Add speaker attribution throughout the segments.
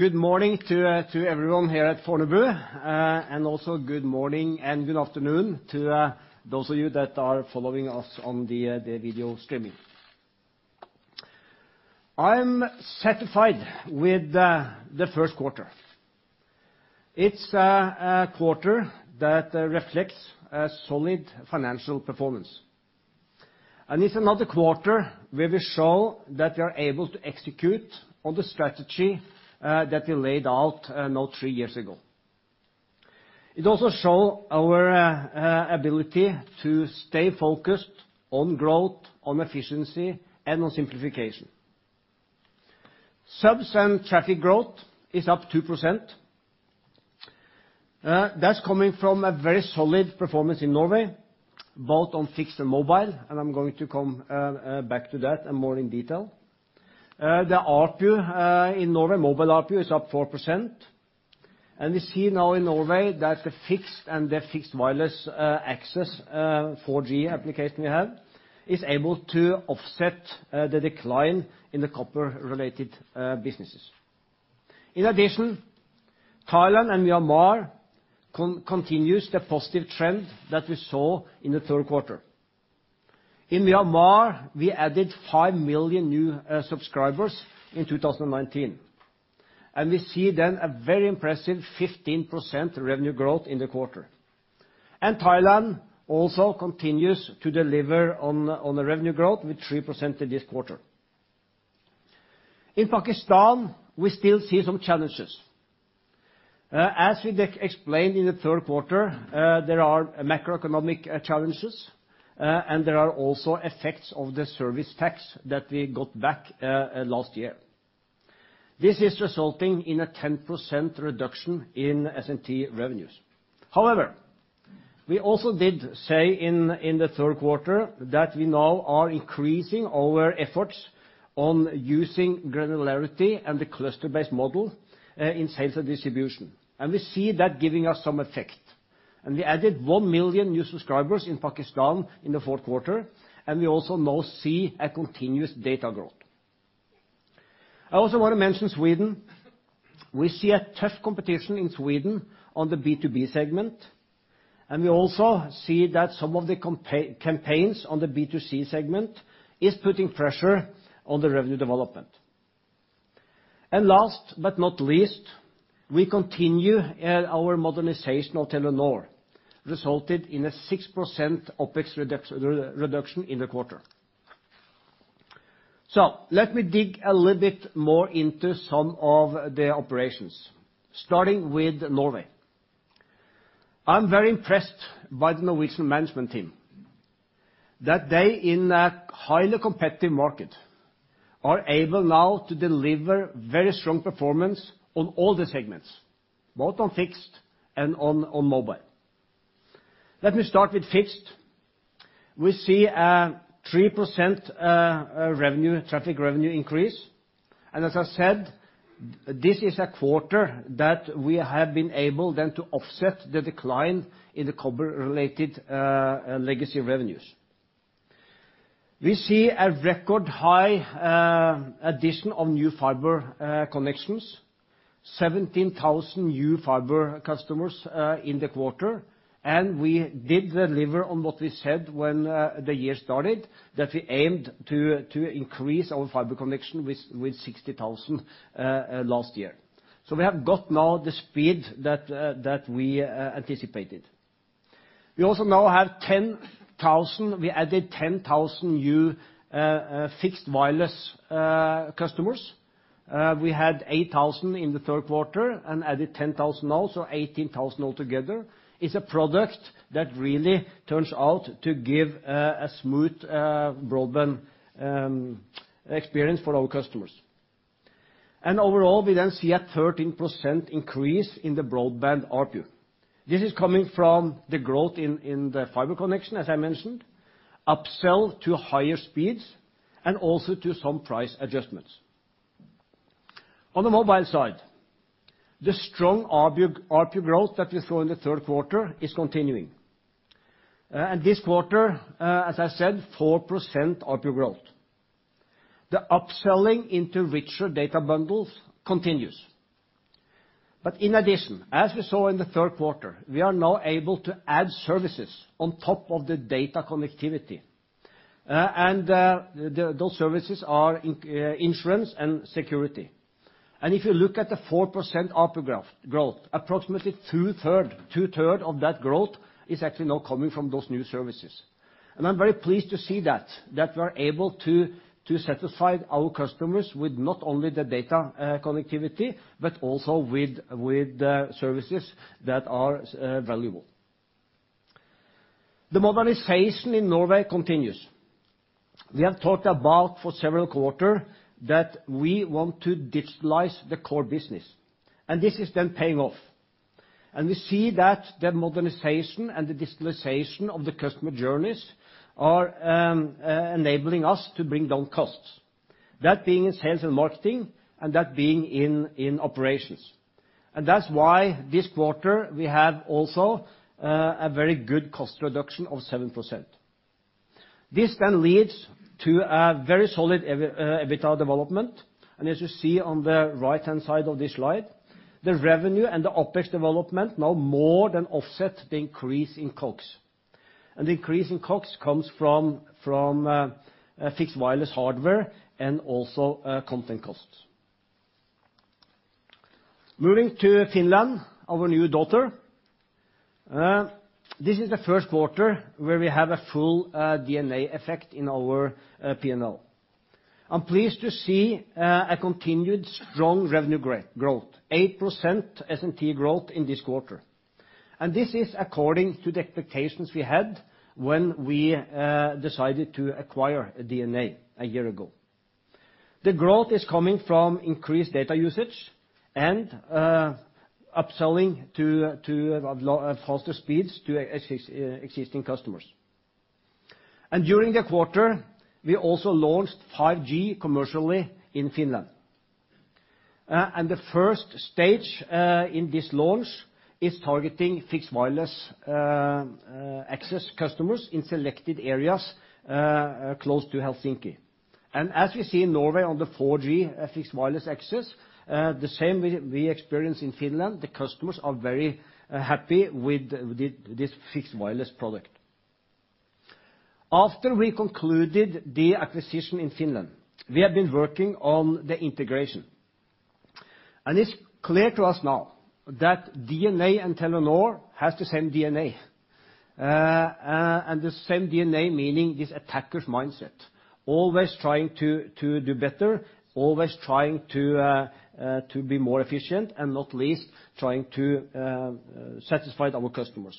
Speaker 1: Good morning to everyone here at Fornebu. And also good morning and good afternoon to those of you that are following us on the video streaming. I'm satisfied with the first quarter. It's a quarter that reflects a solid financial performance, and it's another quarter where we show that we are able to execute on the strategy that we laid out now three years ago. It also show our ability to stay focused on growth, on efficiency, and on simplification. Subs and traffic growth is up 2%. That's coming from a very solid performance in Norway, both on fixed and mobile, and I'm going to come back to that in more detail. The ARPU in Norway, mobile ARPU, is up 4%, and we see now in Norway that the fixed and the fixed-wireless access 4G application we have is able to offset the decline in the copper-related businesses. In addition, Thailand and Myanmar continues the positive trend that we saw in the third quarter. In Myanmar, we added 5 million new subscribers in 2019, and we see then a very impressive 15% revenue growth in the quarter. And Thailand also continues to deliver on, on the revenue growth with 3% in this quarter. In Pakistan, we still see some challenges. As we did explain in the third quarter, there are macroeconomic challenges, and there are also effects of the service tax that we got back last year. This is resulting in a 10% reduction in S&T revenues. However, we also did say in the third quarter, that we now are increasing our efforts on using granularity and the cluster-based model in sales and distribution, and we see that giving us some effect. And we added 1 million new subscribers in Pakistan in the fourth quarter, and we also now see a continuous data growth. I also want to mention Sweden. We see a tough competition in Sweden on the B2B segment, and we also see that some of the campaigns on the B2C segment is putting pressure on the revenue development. And last but not least, we continue our modernization of Telenor, resulted in a 6% OpEx reduction in the quarter. So let me dig a little bit more into some of the operations, starting with Norway. I'm very impressed by the Norwegian management team, that they, in a highly competitive market, are able now to deliver very strong performance on all the segments, both on fixed and on mobile. Let me start with fixed. We see a 3% revenue, traffic revenue increase, and as I said, this is a quarter that we have been able then to offset the decline in the copper-related legacy revenues. We see a record high addition of new fiber connections, 17,000 new fiber customers in the quarter, and we did deliver on what we said when the year started, that we aimed to increase our fiber connection with 60,000 last year. So we have got now the speed that we anticipated. We also now have 10,000. We added 10,000 new fixed-wireless customers. We had 8,000 in the third quarter and added 10,000 now, so 18,000 altogether. It's a product that really turns out to give a smooth broadband experience for our customers. And overall, we then see a 13% increase in the broadband ARPU. This is coming from the growth in the fiber connection, as I mentioned, upsell to higher speeds, and also to some price adjustments. On the mobile side, the strong ARPU growth that we saw in the third quarter is continuing. And this quarter, as I said, 4% ARPU growth. The upselling into richer data bundles continues. But in addition, as we saw in the third quarter, we are now able to add services on top of the data connectivity, and the those services are in insurance and security. And if you look at the 4% ARPU graph growth, approximately two-thirds of that growth is actually now coming from those new services. And I'm very pleased to see that, that we're able to satisfy our customers with not only the data connectivity, but also with services that are valuable. The modernization in Norway continues. We have talked about for several quarter that we want to digitalize the core business, and this is then paying off, and we see that the modernization and the digitalization of the customer journeys are enabling us to bring down costs, that being in sales and marketing, and that being in operations. And that's why this quarter we have also a very good cost reduction of 7%. This then leads to a very solid EBITDA development. As you see on the right-hand side of this slide, the revenue and the OpEx development now more than offset the increase in COGS. The increase in COGS comes from fixed wireless hardware and also content costs. Moving to Finland, our new daughter. This is the first quarter where we have a full DNA effect in our P&L. I'm pleased to see a continued strong revenue growth, 8% S&T growth in this quarter. This is according to the expectations we had when we decided to acquire DNA a year ago. The growth is coming from increased data usage, and upselling to faster speeds to existing customers. During the quarter, we also launched 5G commercially in Finland. And the first stage in this launch is targeting fixed wireless access customers in selected areas close to Helsinki. And as we see in Norway, on the 4G fixed wireless access, the same we experience in Finland, the customers are very happy with this fixed wireless product. After we concluded the acquisition in Finland, we have been working on the integration. And it's clear to us now that DNA and Telenor has the same DNA. And the same DNA, meaning this attacker's mindset, always trying to do better, always trying to be more efficient, and not least, trying to satisfy our customers.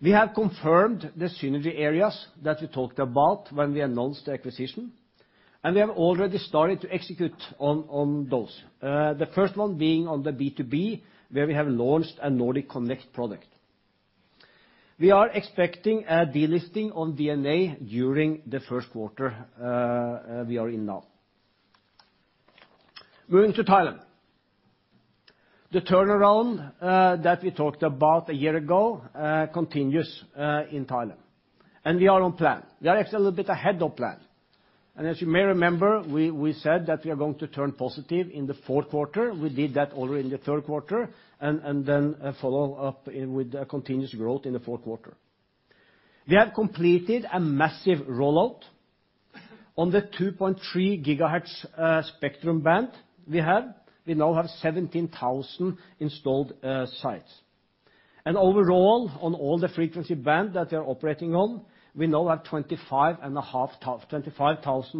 Speaker 1: We have confirmed the synergy areas that we talked about when we announced the acquisition, and we have already started to execute on those. The first one being on the B2B, where we have launched a Nordic Connect product. We are expecting a delisting on DNA during the first quarter we are in now. Moving to Thailand. The turnaround that we talked about a year ago continues in Thailand, and we are on plan. We are actually a little bit ahead of plan. And as you may remember, we said that we are going to turn positive in the fourth quarter. We did that already in the third quarter, and then follow up with a continuous growth in the fourth quarter. We have completed a massive rollout on the 2.3 GHz spectrum band we have. We now have 17,000 installed sites. Overall, on all the frequency band that we are operating on, we now have 25,000,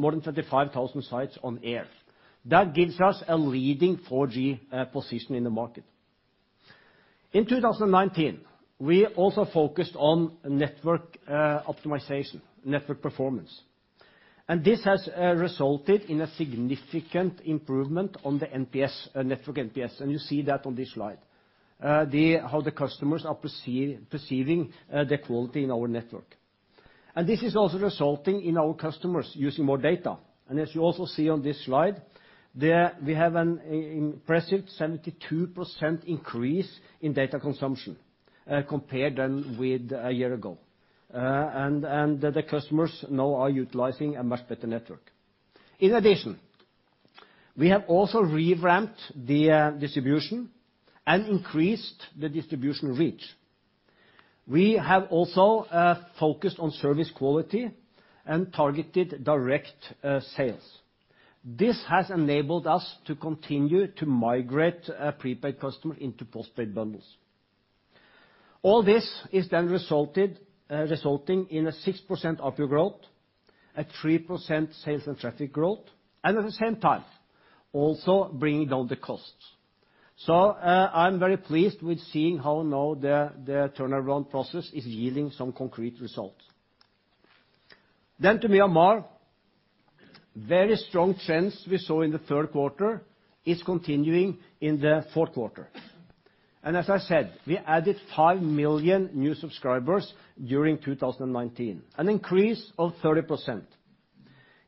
Speaker 1: more than 25,000 sites on air. That gives us a leading 4G position in the market. In 2019, we also focused on network optimization, network performance, and this has resulted in a significant improvement on the NPS, network NPS, and you see that on this slide. How the customers are perceiving the quality in our network. And this is also resulting in our customers using more data. And as you also see on this slide, we have an impressive 72% increase in data consumption compared than with a year ago. And the customers now are utilizing a much better network. In addition, we have also revamped the distribution and increased the distribution reach. We have also focused on service quality and targeted direct sales. This has enabled us to continue to migrate prepaid customer into postpaid bundles. All this is then resulted resulting in a 6% ARPU growth, a 3% sales and traffic growth, and at the same time, also bringing down the costs. So, I'm very pleased with seeing how now the turnaround process is yielding some concrete results. Then to Myanmar, very strong trends we saw in the third quarter is continuing in the fourth quarter. And as I said, we added 5 million new subscribers during 2019, an increase of 30%,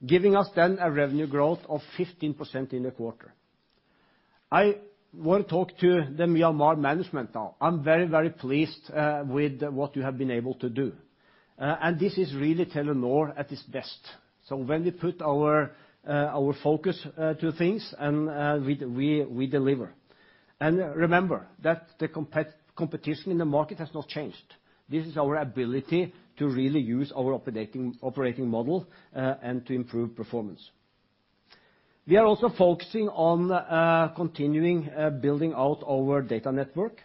Speaker 1: giving us then a revenue growth of 15% in the quarter. I want to talk to the Myanmar management now. I'm very, very pleased with what you have been able to do, and this is really Telenor at its best. So when we put our focus to things, and we deliver. And remember that the competition in the market has not changed. This is our ability to really use our operating model and to improve performance. We are also focusing on continuing building out our data network,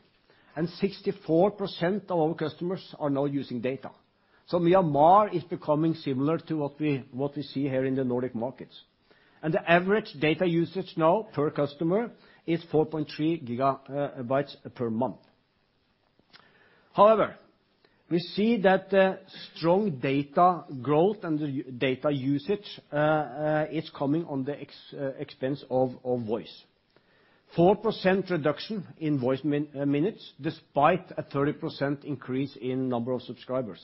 Speaker 1: and 64% of our customers are now using data. So Myanmar is becoming similar to what we see here in the Nordic markets. And the average data usage now per customer is 4.3 gigabytes per month. However, we see that the strong data growth and the data usage is coming on the expense of voice. 4% reduction in voice minutes, despite a 30% increase in number of subscribers.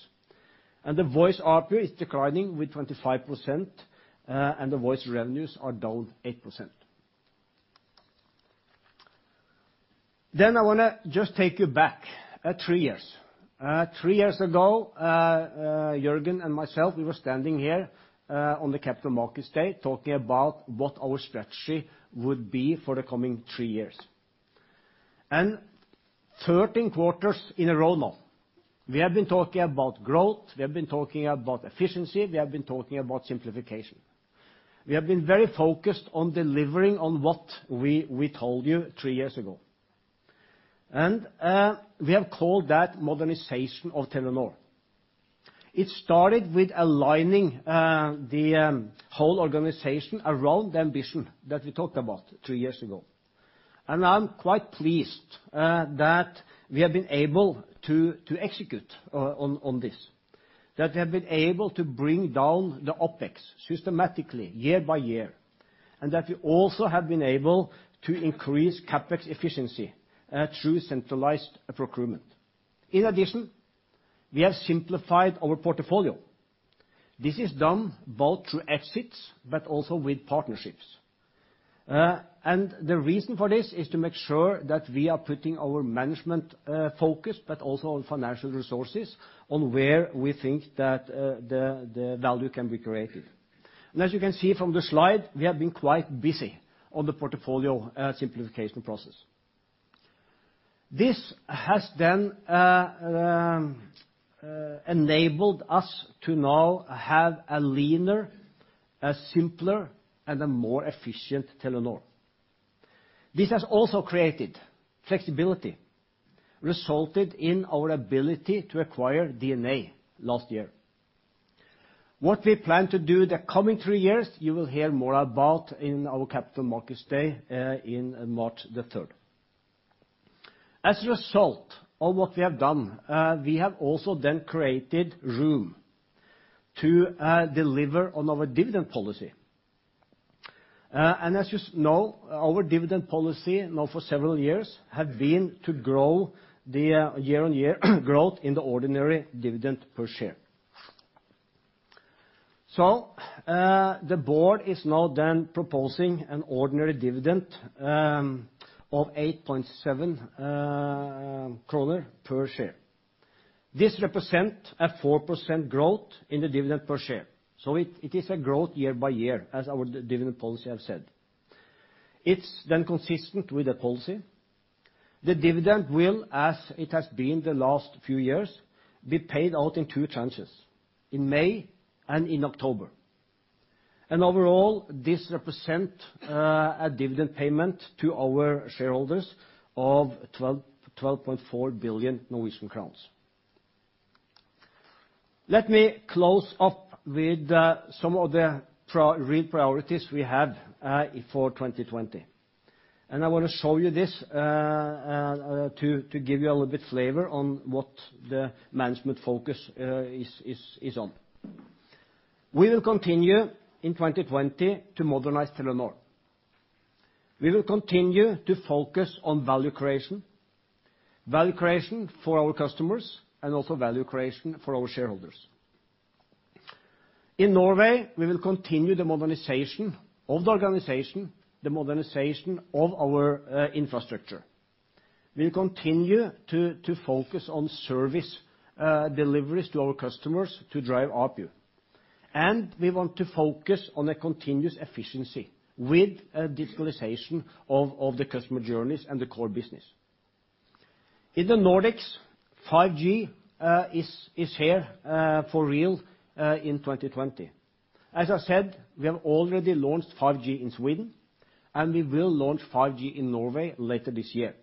Speaker 1: The voice ARPU is declining with 25%, and the voice revenues are down 8%. I want to just take you back three years. Three years ago, Jørgen and myself were standing here on the Capital Markets Day, talking about what our strategy would be for the coming three years. 13 quarters in a row now, we have been talking about growth, we have been talking about efficiency, we have been talking about simplification. We have been very focused on delivering on what we, we told you three years ago, and we have called that modernization of Telenor. It started with aligning the whole organization around the ambition that we talked about two years ago. I'm quite pleased that we have been able to execute on this, that we have been able to bring down the OpEx systematically year by year, and that we also have been able to increase CapEx efficiency through centralized procurement. In addition, we have simplified our portfolio. This is done both through exits, but also with partnerships. And the reason for this is to make sure that we are putting our management focus, but also on financial resources, on where we think that the value can be created. As you can see from the slide, we have been quite busy on the portfolio simplification process. This has then enabled us to now have a leaner, a simpler, and a more efficient Telenor. This has also created flexibility, resulted in our ability to acquire DNA last year. What we plan to do the coming three years, you will hear more about in our Capital Markets Day, in March the 3rd. As a result of what we have done, we have also then created room to, deliver on our dividend policy. And as you know, our dividend policy now for several years have been to grow the year-on-year growth in the ordinary dividend per share. So, the board is now then proposing an ordinary dividend, of 8.7 kroner per share. This represent a 4% growth in the dividend per share, so it, it is a growth year by year as our dividend policy have said. It's then consistent with the policy. The dividend will, as it has been the last few years, be paid out in two tranches, in May and in October. Overall, this represents a dividend payment to our shareholders of 12.4 billion Norwegian crowns. Let me close up with some of the real priorities we have for 2020, and I want to show you this to give you a little bit flavor on what the management focus is on. We will continue in 2020 to modernize Telenor. We will continue to focus on value creation, value creation for our customers and also value creation for our shareholders. In Norway, we will continue the modernization of the organization, the modernization of our infrastructure. We'll continue to focus on service deliveries to our customers to drive ARPU, and we want to focus on a continuous efficiency with a digitalization of the customer journeys and the core business. In the Nordics, 5G is here for real in 2020. As I said, we have already launched 5G in Sweden, and we will launch 5G in Norway later this year.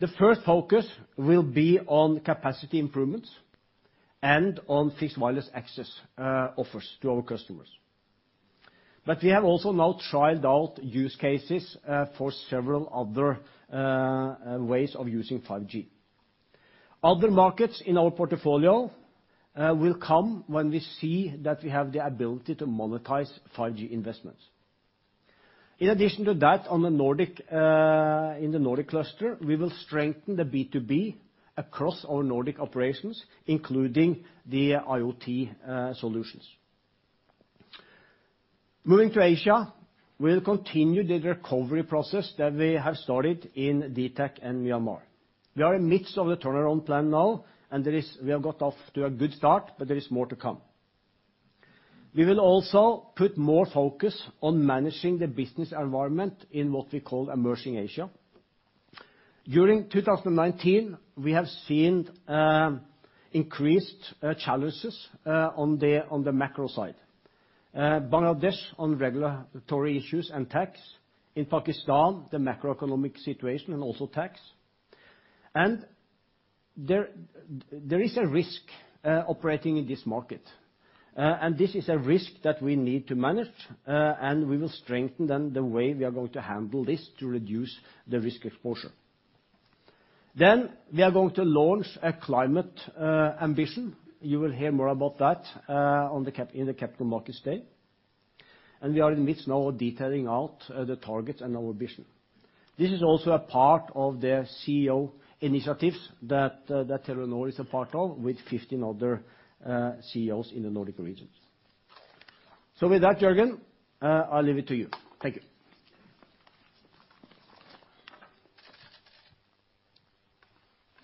Speaker 1: The first focus will be on capacity improvements and on fixed wireless access offers to our customers. But we have also now trialed out use cases for several other ways of using 5G. Other markets in our portfolio will come when we see that we have the ability to monetize 5G investments. In addition to that, on the Nordic, in the Nordic cluster, we will strengthen the B2B across our Nordic operations, including the IoT solutions. Moving to Asia, we'll continue the recovery process that we have started in dtac in Myanmar. We are in the midst of the turnaround plan now, and there is, we have got off to a good start, but there is more to come. We will also put more focus on managing the business environment in what we call emerging Asia. During 2019, we have seen increased challenges on the macro side. Bangladesh on regulatory issues and tax, in Pakistan, the macroeconomic situation and also tax. There is a risk operating in this market, and this is a risk that we need to manage, and we will strengthen the way we are going to handle this to reduce the risk exposure. Then we are going to launch a climate ambition. You will hear more about that on the Capital Markets Day, and we are in the midst now of detailing out the targets and our ambition. This is also a part of the CEO initiatives that Telenor is a part of with 15 other CEOs in the Nordic regions. So with that, Jørgen, I'll leave it to you. Thank you.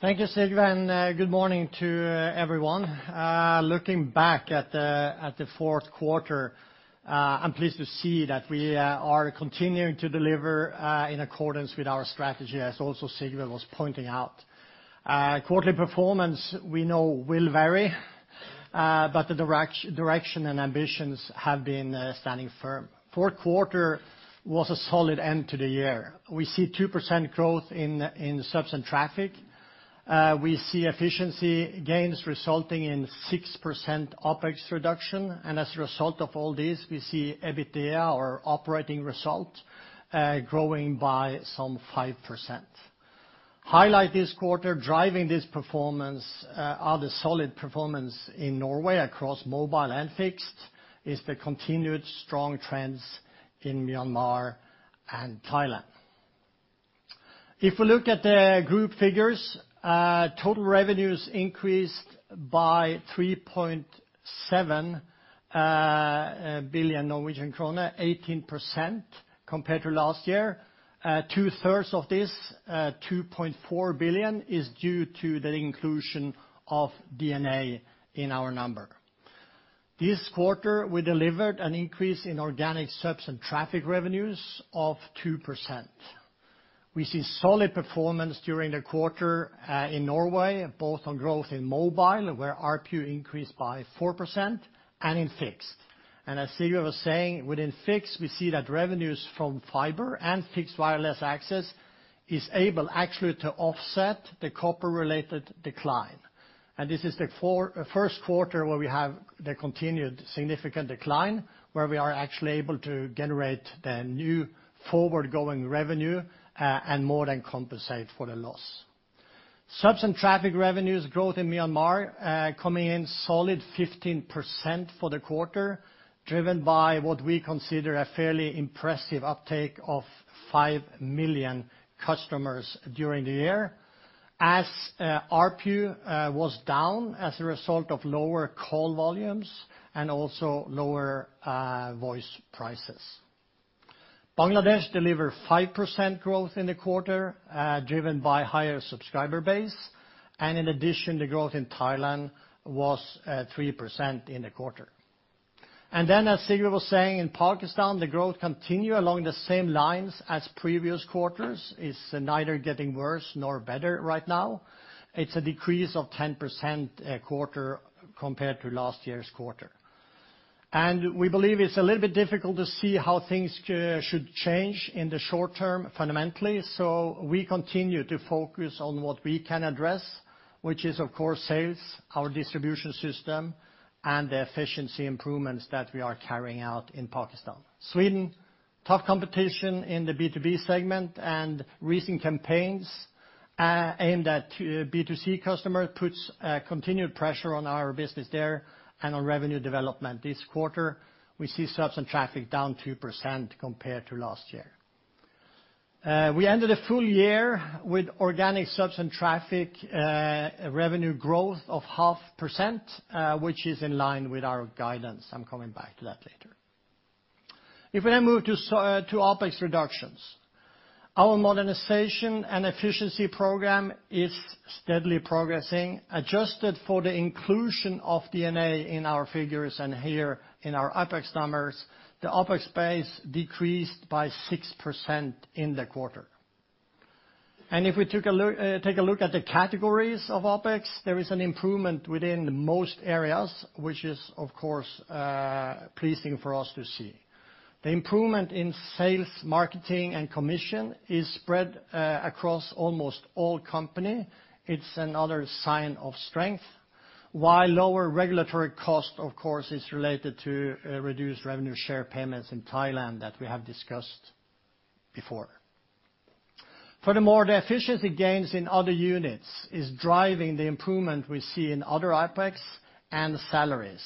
Speaker 2: Thank you, Sigve, and good morning to everyone. Looking back at the fourth quarter, I'm pleased to see that we are continuing to deliver in accordance with our strategy, as also Sigve was pointing out. Quarterly performance, we know will vary, but the direction and ambitions have been standing firm. Fourth quarter was a solid end to the year. We see 2% growth in subs and traffic. We see efficiency gains resulting in 6% OpEx reduction, and as a result of all this, we see EBITDA, our operating result, growing by some 5%. Highlight this quarter, driving this performance, are the solid performance in Norway across mobile and fixed, is the continued strong trends in Myanmar and Thailand. If we look at the group figures, total revenues increased by 3.7 billion Norwegian krone, 18% compared to last year. Two thirds of this, 2.4 billion, is due to the inclusion of DNA in our number. This quarter, we delivered an increase in organic subs and traffic revenues of 2%. We see solid performance during the quarter in Norway, both on growth in mobile, where ARPU increased by 4%, and in fixed. And as Sigve was saying, within fixed, we see that revenues from fiber and fixed wireless access is able actually to offset the copper-related decline. And this is the first quarter where we have the continued significant decline, where we are actually able to generate the new forward-going revenue, and more than compensate for the loss. Subs and traffic revenues growth in Myanmar, coming in solid 15% for the quarter, driven by what we consider a fairly impressive uptake of 5 million customers during the year, as ARPU was down as a result of lower call volumes and also lower voice prices. Bangladesh delivered 5% growth in the quarter, driven by higher subscriber base, and in addition, the growth in Thailand was 3% in the quarter. Then, as Sigve was saying, in Pakistan, the growth continue along the same lines as previous quarters. It's neither getting worse nor better right now. It's a decrease of 10%, quarter compared to last year's quarter. We believe it's a little bit difficult to see how things should change in the short term, fundamentally, so we continue to focus on what we can address, which is, of course, sales, our distribution system, and the efficiency improvements that we are carrying out in Pakistan. Sweden, tough competition in the B2B segment, and recent campaigns aimed at the B2C customer base put continued pressure on our business there and on revenue development. This quarter, we see subs and traffic down 2% compared to last year. We ended a full year with organic subs and traffic revenue growth of 0.5%, which is in line with our guidance. I'm coming back to that later. If we then move to OpEx reductions, our modernization and efficiency program is steadily progressing, adjusted for the inclusion of DNA in our figures and here in our OpEx numbers, the OpEx base decreased by 6% in the quarter. If we take a look at the categories of OpEx, there is an improvement within most areas, which is, of course, pleasing for us to see. The improvement in sales, marketing, and commission is spread across almost all company. It's another sign of strength. While lower regulatory cost, of course, is related to reduced revenue share payments in Thailand that we have discussed before. Furthermore, the efficiency gains in other units is driving the improvement we see in other OpEx and salaries,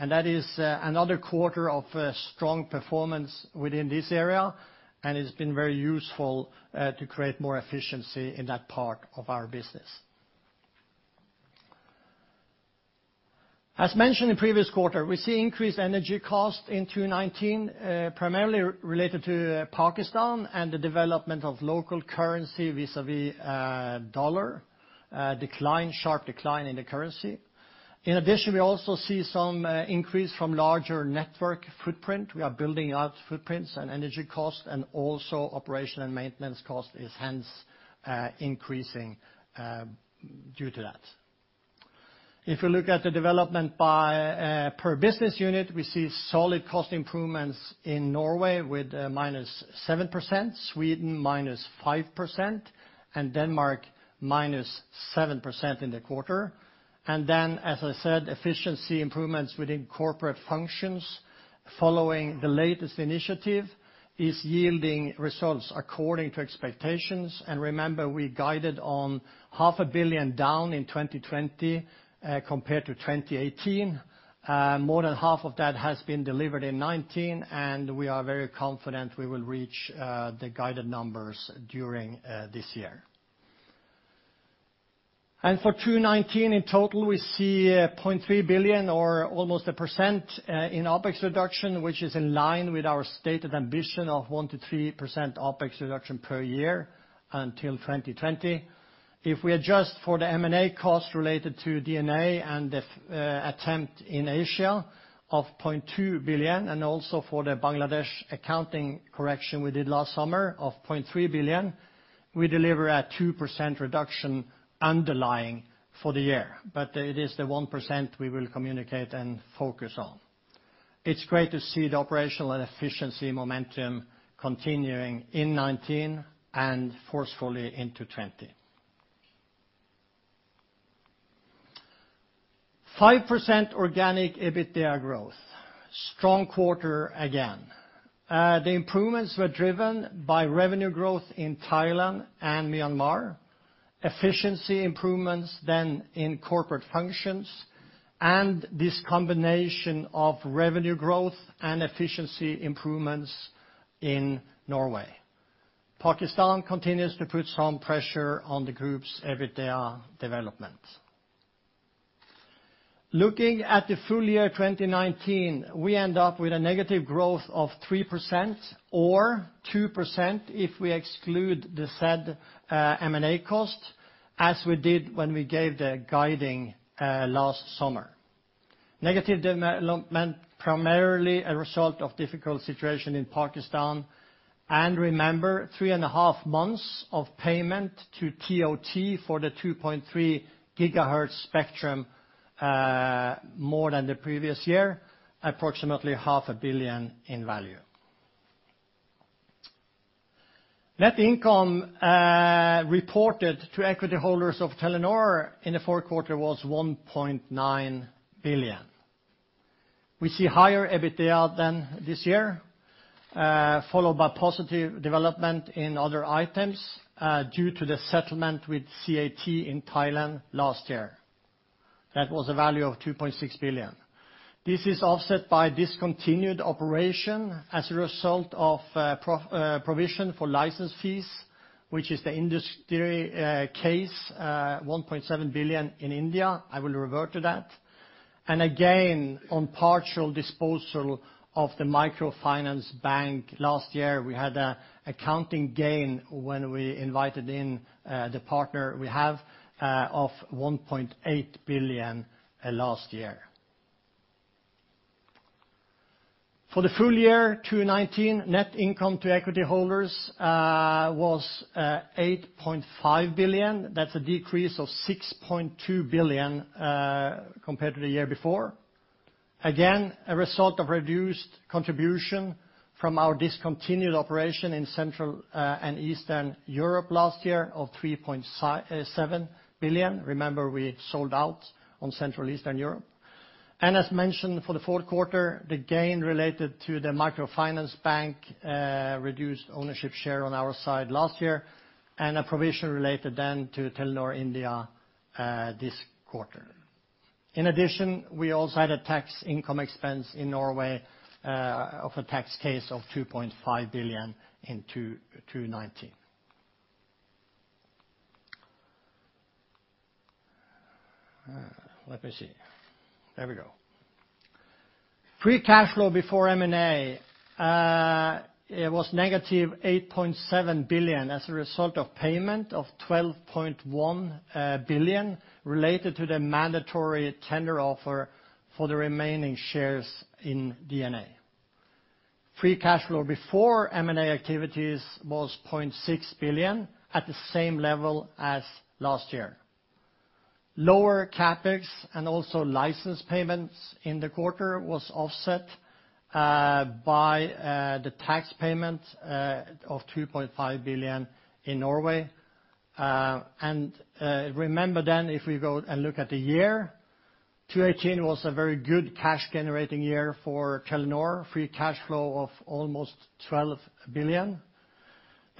Speaker 2: and that is another quarter of strong performance within this area, and it's been very useful to create more efficiency in that part of our business. As mentioned in previous quarter, we see increased energy costs in 2023, primarily related to Pakistan and the development of local currency vis-à-vis dollar, decline, sharp decline in the currency. In addition, we also see some increase from larger network footprint. We are building out footprints and energy costs, and also operation and maintenance cost is hence increasing due to that. If you look at the development by per business unit, we see solid cost improvements in Norway with minus 7%, Sweden minus 5%, and Denmark minus 7% in the quarter. And then, as I said, efficiency improvements within corporate functions following the latest initiative is yielding results according to expectations. And remember, we guided on 0.5 billion down in 2020, compared to 2018. More than half of that has been delivered in 2019, and we are very confident we will reach the guided numbers during this year. And for 2019, in total, we see 0.3 billion or almost 1%, in OpEx reduction, which is in line with our stated ambition of 1%-3% OpEx reduction per year until 2020. If we adjust for the M&A costs related to DNA and the attempt in Asia of $0.2 billion, and also for the Bangladesh accounting correction we did last summer of $0.3 billion, we deliver a 2% reduction underlying for the year, but it is the 1% we will communicate and focus on. It's great to see the operational and efficiency momentum continuing in 2019 and forcefully into 2020. 5% organic EBITDA growth, strong quarter again. The improvements were driven by revenue growth in Thailand and Myanmar, efficiency improvements then in corporate functions, and this combination of revenue growth and efficiency improvements in Norway. Pakistan continues to put some pressure on the group's EBITDA development. Looking at the full year 2019, we end up with a negative growth of 3% or 2% if we exclude the said M&A cost, as we did when we gave the guidance last summer. Negative development primarily a result of difficult situation in Pakistan, and remember, 3.5 months of payment to TOT for the 2.3 gigahertz spectrum, more than the previous year, approximately 500 million in value. Net income reported to equity holders of Telenor in the fourth quarter was 1.9 billion. We see higher EBITDA than this year, followed by positive development in other items due to the settlement with CAT in Thailand last year. That was a value of 2.6 billion. This is offset by discontinued operation as a result of provision for license fees, which is the industry case, $1.7 billion in India. I will revert to that. And again, on partial disposal of the microfinance bank last year, we had an accounting gain when we invited in the partner we have of $1.8 billion last year. For the full year 2019, net income to equity holders was $8.5 billion. That's a decrease of $6.2 billion compared to the year before. Again, a result of reduced contribution from our discontinued operation in Central and Eastern Europe last year of $3.5-$7 billion. Remember, we sold out on Central and Eastern Europe. As mentioned, for the fourth quarter, the gain related to the microfinance bank, reduced ownership share on our side last year, and a provision related then to Telenor India, this quarter. In addition, we also had a tax income expense in Norway, of a tax case of 2.5 billion in 2019. Free cash flow before M&A, it was negative 8.7 billion as a result of payment of 12.1 billion, related to the mandatory tender offer for the remaining shares in DNA. Free cash flow before M&A activities was 0.6 billion, at the same level as last year. Lower CapEx and also license payments in the quarter was offset, by, the tax payment, of 2.5 billion in Norway. And remember then, if we go and look at the year, 2018 was a very good cash-generating year for Telenor, free cash flow of almost $12 billion.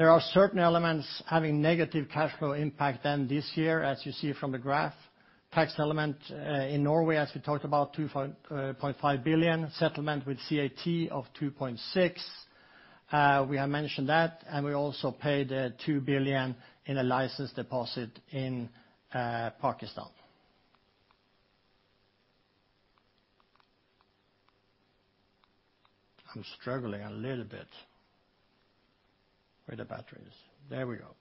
Speaker 2: There are certain elements having negative cash flow impact than this year, as you see from the graph. Tax element in Norway, as we talked about, $2.5 billion, settlement with CAT of $2.6 billion. We have mentioned that, and we also paid $2 billion in a license deposit in Pakistan. I'm struggling a little bit with the batteries. There we go.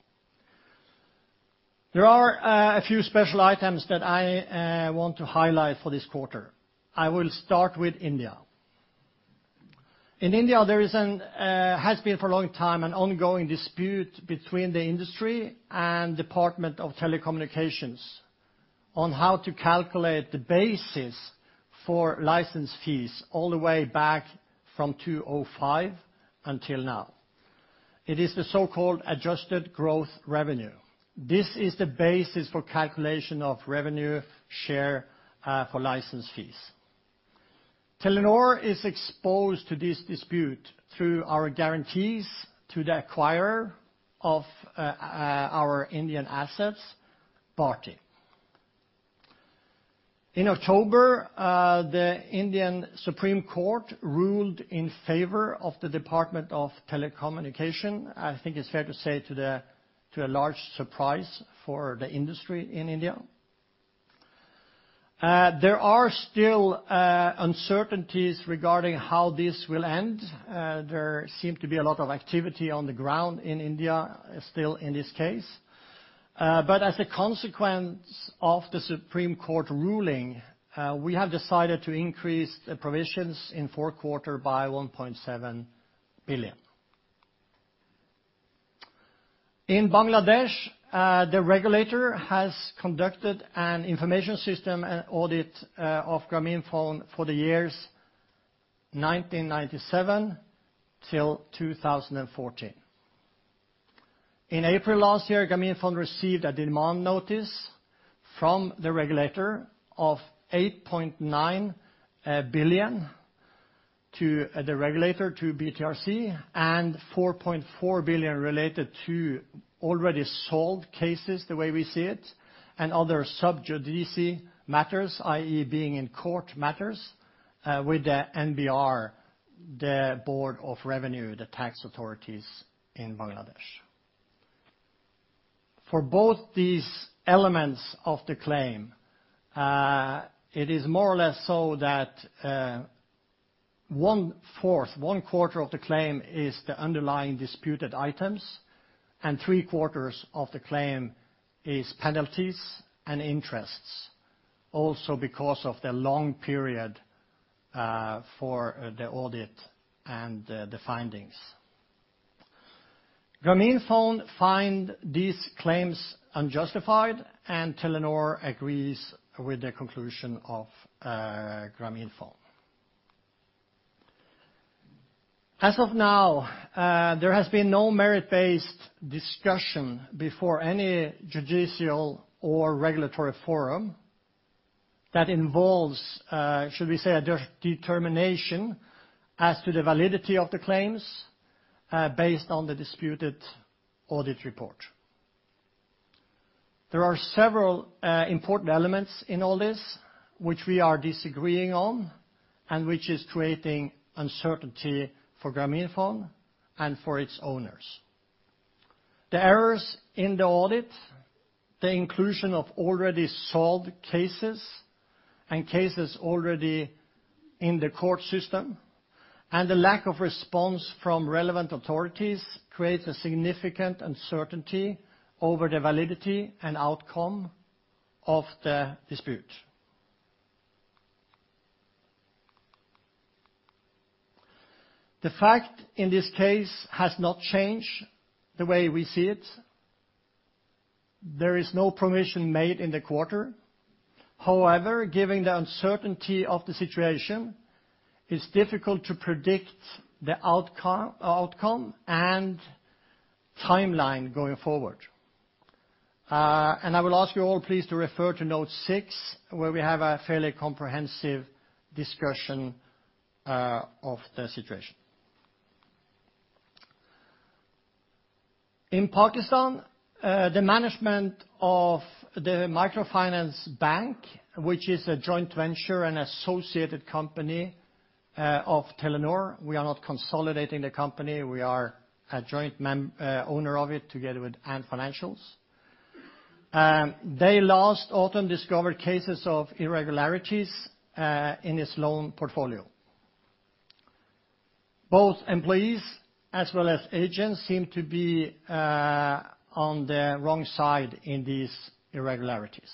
Speaker 2: There are a few special items that I want to highlight for this quarter. I will start with India. In India, there has been for a long time an ongoing dispute between the industry and Department of Telecommunications on how to calculate the basis for license fees all the way back from 2005 until now. It is the so-called adjusted gross revenue. This is the basis for calculation of revenue share for license fees. Telenor is exposed to this dispute through our guarantees to the acquirer of our Indian assets party.... In October, the Indian Supreme Court ruled in favor of the Department of Telecommunications. I think it's fair to say to a large surprise for the industry in India. There are still uncertainties regarding how this will end. There seem to be a lot of activity on the ground in India, still in this case. But as a consequence of the Supreme Court ruling, we have decided to increase the provisions in fourth quarter by 1.7 billion. In Bangladesh, the regulator has conducted an information system and audit of Grameenphone for the years 1997 till 2014. In April last year, Grameenphone received a demand notice from the regulator of 8.9 billion to the regulator, to BTRC, and 4.4 billion related to already solved cases, the way we see it, and other subjudice matters, i.e., being in court matters, with the NBR, the Board of Revenue, the tax authorities in Bangladesh. For both these elements of the claim, it is more or less so that, one-fourth, one quarter of the claim is the underlying disputed items, and three-quarters of the claim is penalties and interests, also because of the long period, for the audit and, the findings. Grameenphone find these claims unjustified, and Telenor agrees with the conclusion of, Grameenphone. As of now, there has been no merit-based discussion before any judicial or regulatory forum that involves, should we say, a determination as to the validity of the claims, based on the disputed audit report. There are several, important elements in all this, which we are disagreeing on, and which is creating uncertainty for Grameenphone and for its owners. The errors in the audit, the inclusion of already solved cases and cases already in the court system, and the lack of response from relevant authorities creates a significant uncertainty over the validity and outcome of the dispute. The fact in this case has not changed the way we see it. There is no provision made in the quarter. However, given the uncertainty of the situation, it's difficult to predict the outcome and timeline going forward. And I will ask you all, please, to refer to note six, where we have a fairly comprehensive discussion of the situation. In Pakistan, the management of the Microfinance Bank, which is a joint venture and associated company of Telenor, we are not consolidating the company, we are a joint owner of it, together with ANT Financials. They last autumn discovered cases of irregularities in its loan portfolio. Both employees, as well as agents, seem to be on the wrong side in these irregularities.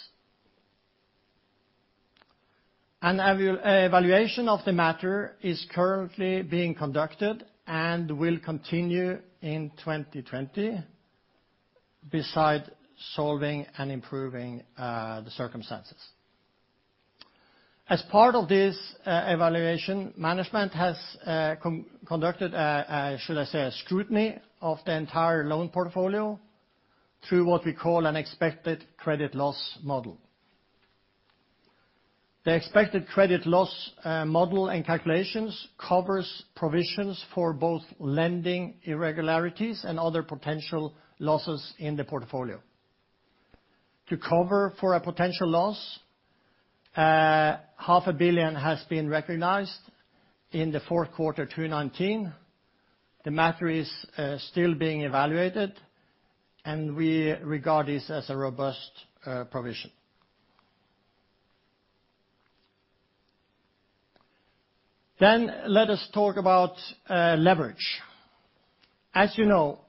Speaker 2: An evaluation of the matter is currently being conducted and will continue in 2020, besides solving and improving the circumstances. As part of this evaluation, management has conducted a, should I say, a scrutiny of the entire loan portfolio through what we call an expected credit loss model. The expected credit loss model and calculations covers provisions for both lending irregularities and other potential losses in the portfolio. To cover for a potential loss, half a billion has been recognized in the fourth quarter, 2019. The matter is still being evaluated, and we regard this as a robust provision. Then let us talk about leverage. As you know,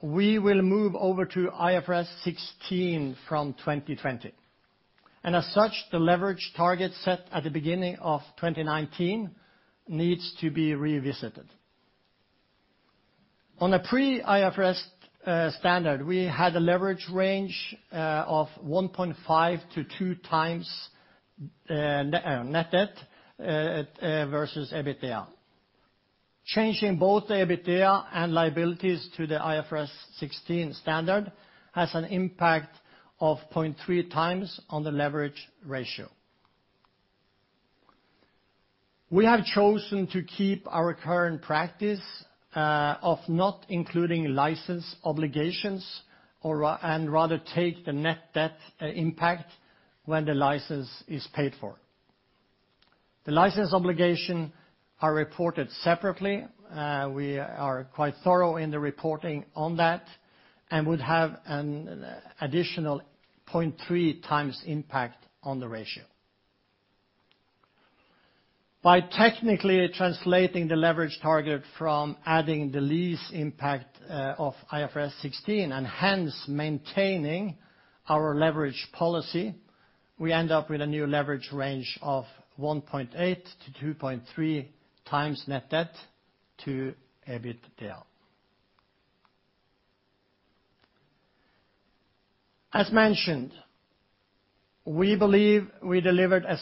Speaker 2: we will move over to IFRS 16 from 2020, and as such, the leverage target set at the beginning of 2019 needs to be revisited. On a pre-IFRS standard, we had a leverage range of 1.5-2 times net debt versus EBITDA. Changing both the EBITDA and liabilities to the IFRS 16 standard has an impact of 0.3 times on the leverage ratio. We have chosen to keep our current practice of not including license obligations or rather take the net debt impact when the license is paid for. The license obligation are reported separately. We are quite thorough in the reporting on that, and would have an additional 0.3 times impact on the ratio. By technically translating the leverage target from adding the lease impact of IFRS 16, and hence maintaining our leverage policy, we end up with a new leverage range of 1.8-2.3 times net debt to EBITDA. As mentioned, we believe we delivered a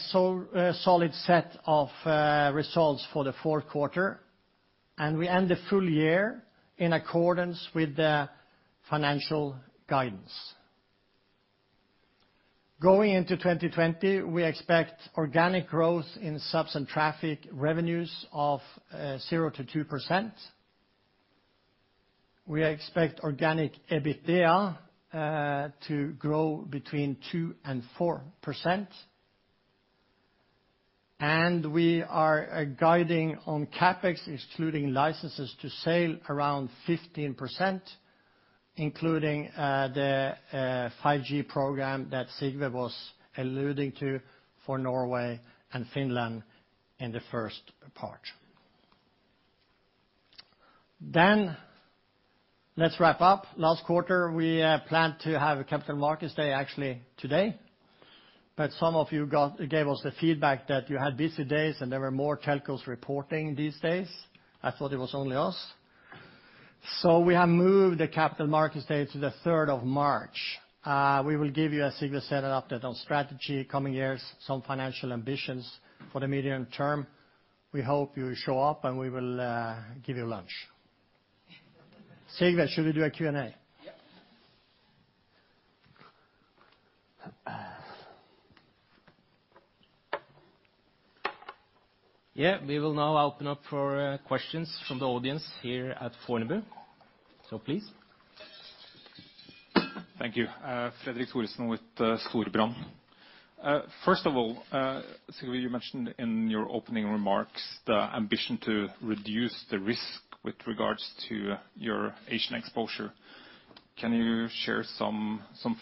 Speaker 2: solid set of results for the fourth quarter, and we end the full year in accordance with the financial guidance. Going into 2020, we expect organic growth in subs and traffic revenues of 0-2%. We expect organic EBITDA to grow between 2%-4%. We are guiding on CapEx, excluding licenses to sale, around 15%, including the 5G program that Sigve was alluding to for Norway and Finland in the first part. Let's wrap up. Last quarter, we planned to have a capital markets day actually today, but some of you gave us the feedback that you had busy days, and there were more telcos reporting these days. I thought it was only us. So we have moved the capital markets day to the 3rd of March. We will give you, as Sigve set it up, that on strategy, coming years, some financial ambitions for the medium term. We hope you show up, and we will give you lunch. Sigve, should we do a Q&A?
Speaker 1: Yep. Yeah, we will now open up for questions from the audience here at Fornebu. So please.
Speaker 3: Thank you. Fredrik Thoresen with Storebrand. First of all, Sigve, you mentioned in your opening remarks the ambition to reduce the risk with regards to your Asian exposure. Can you share some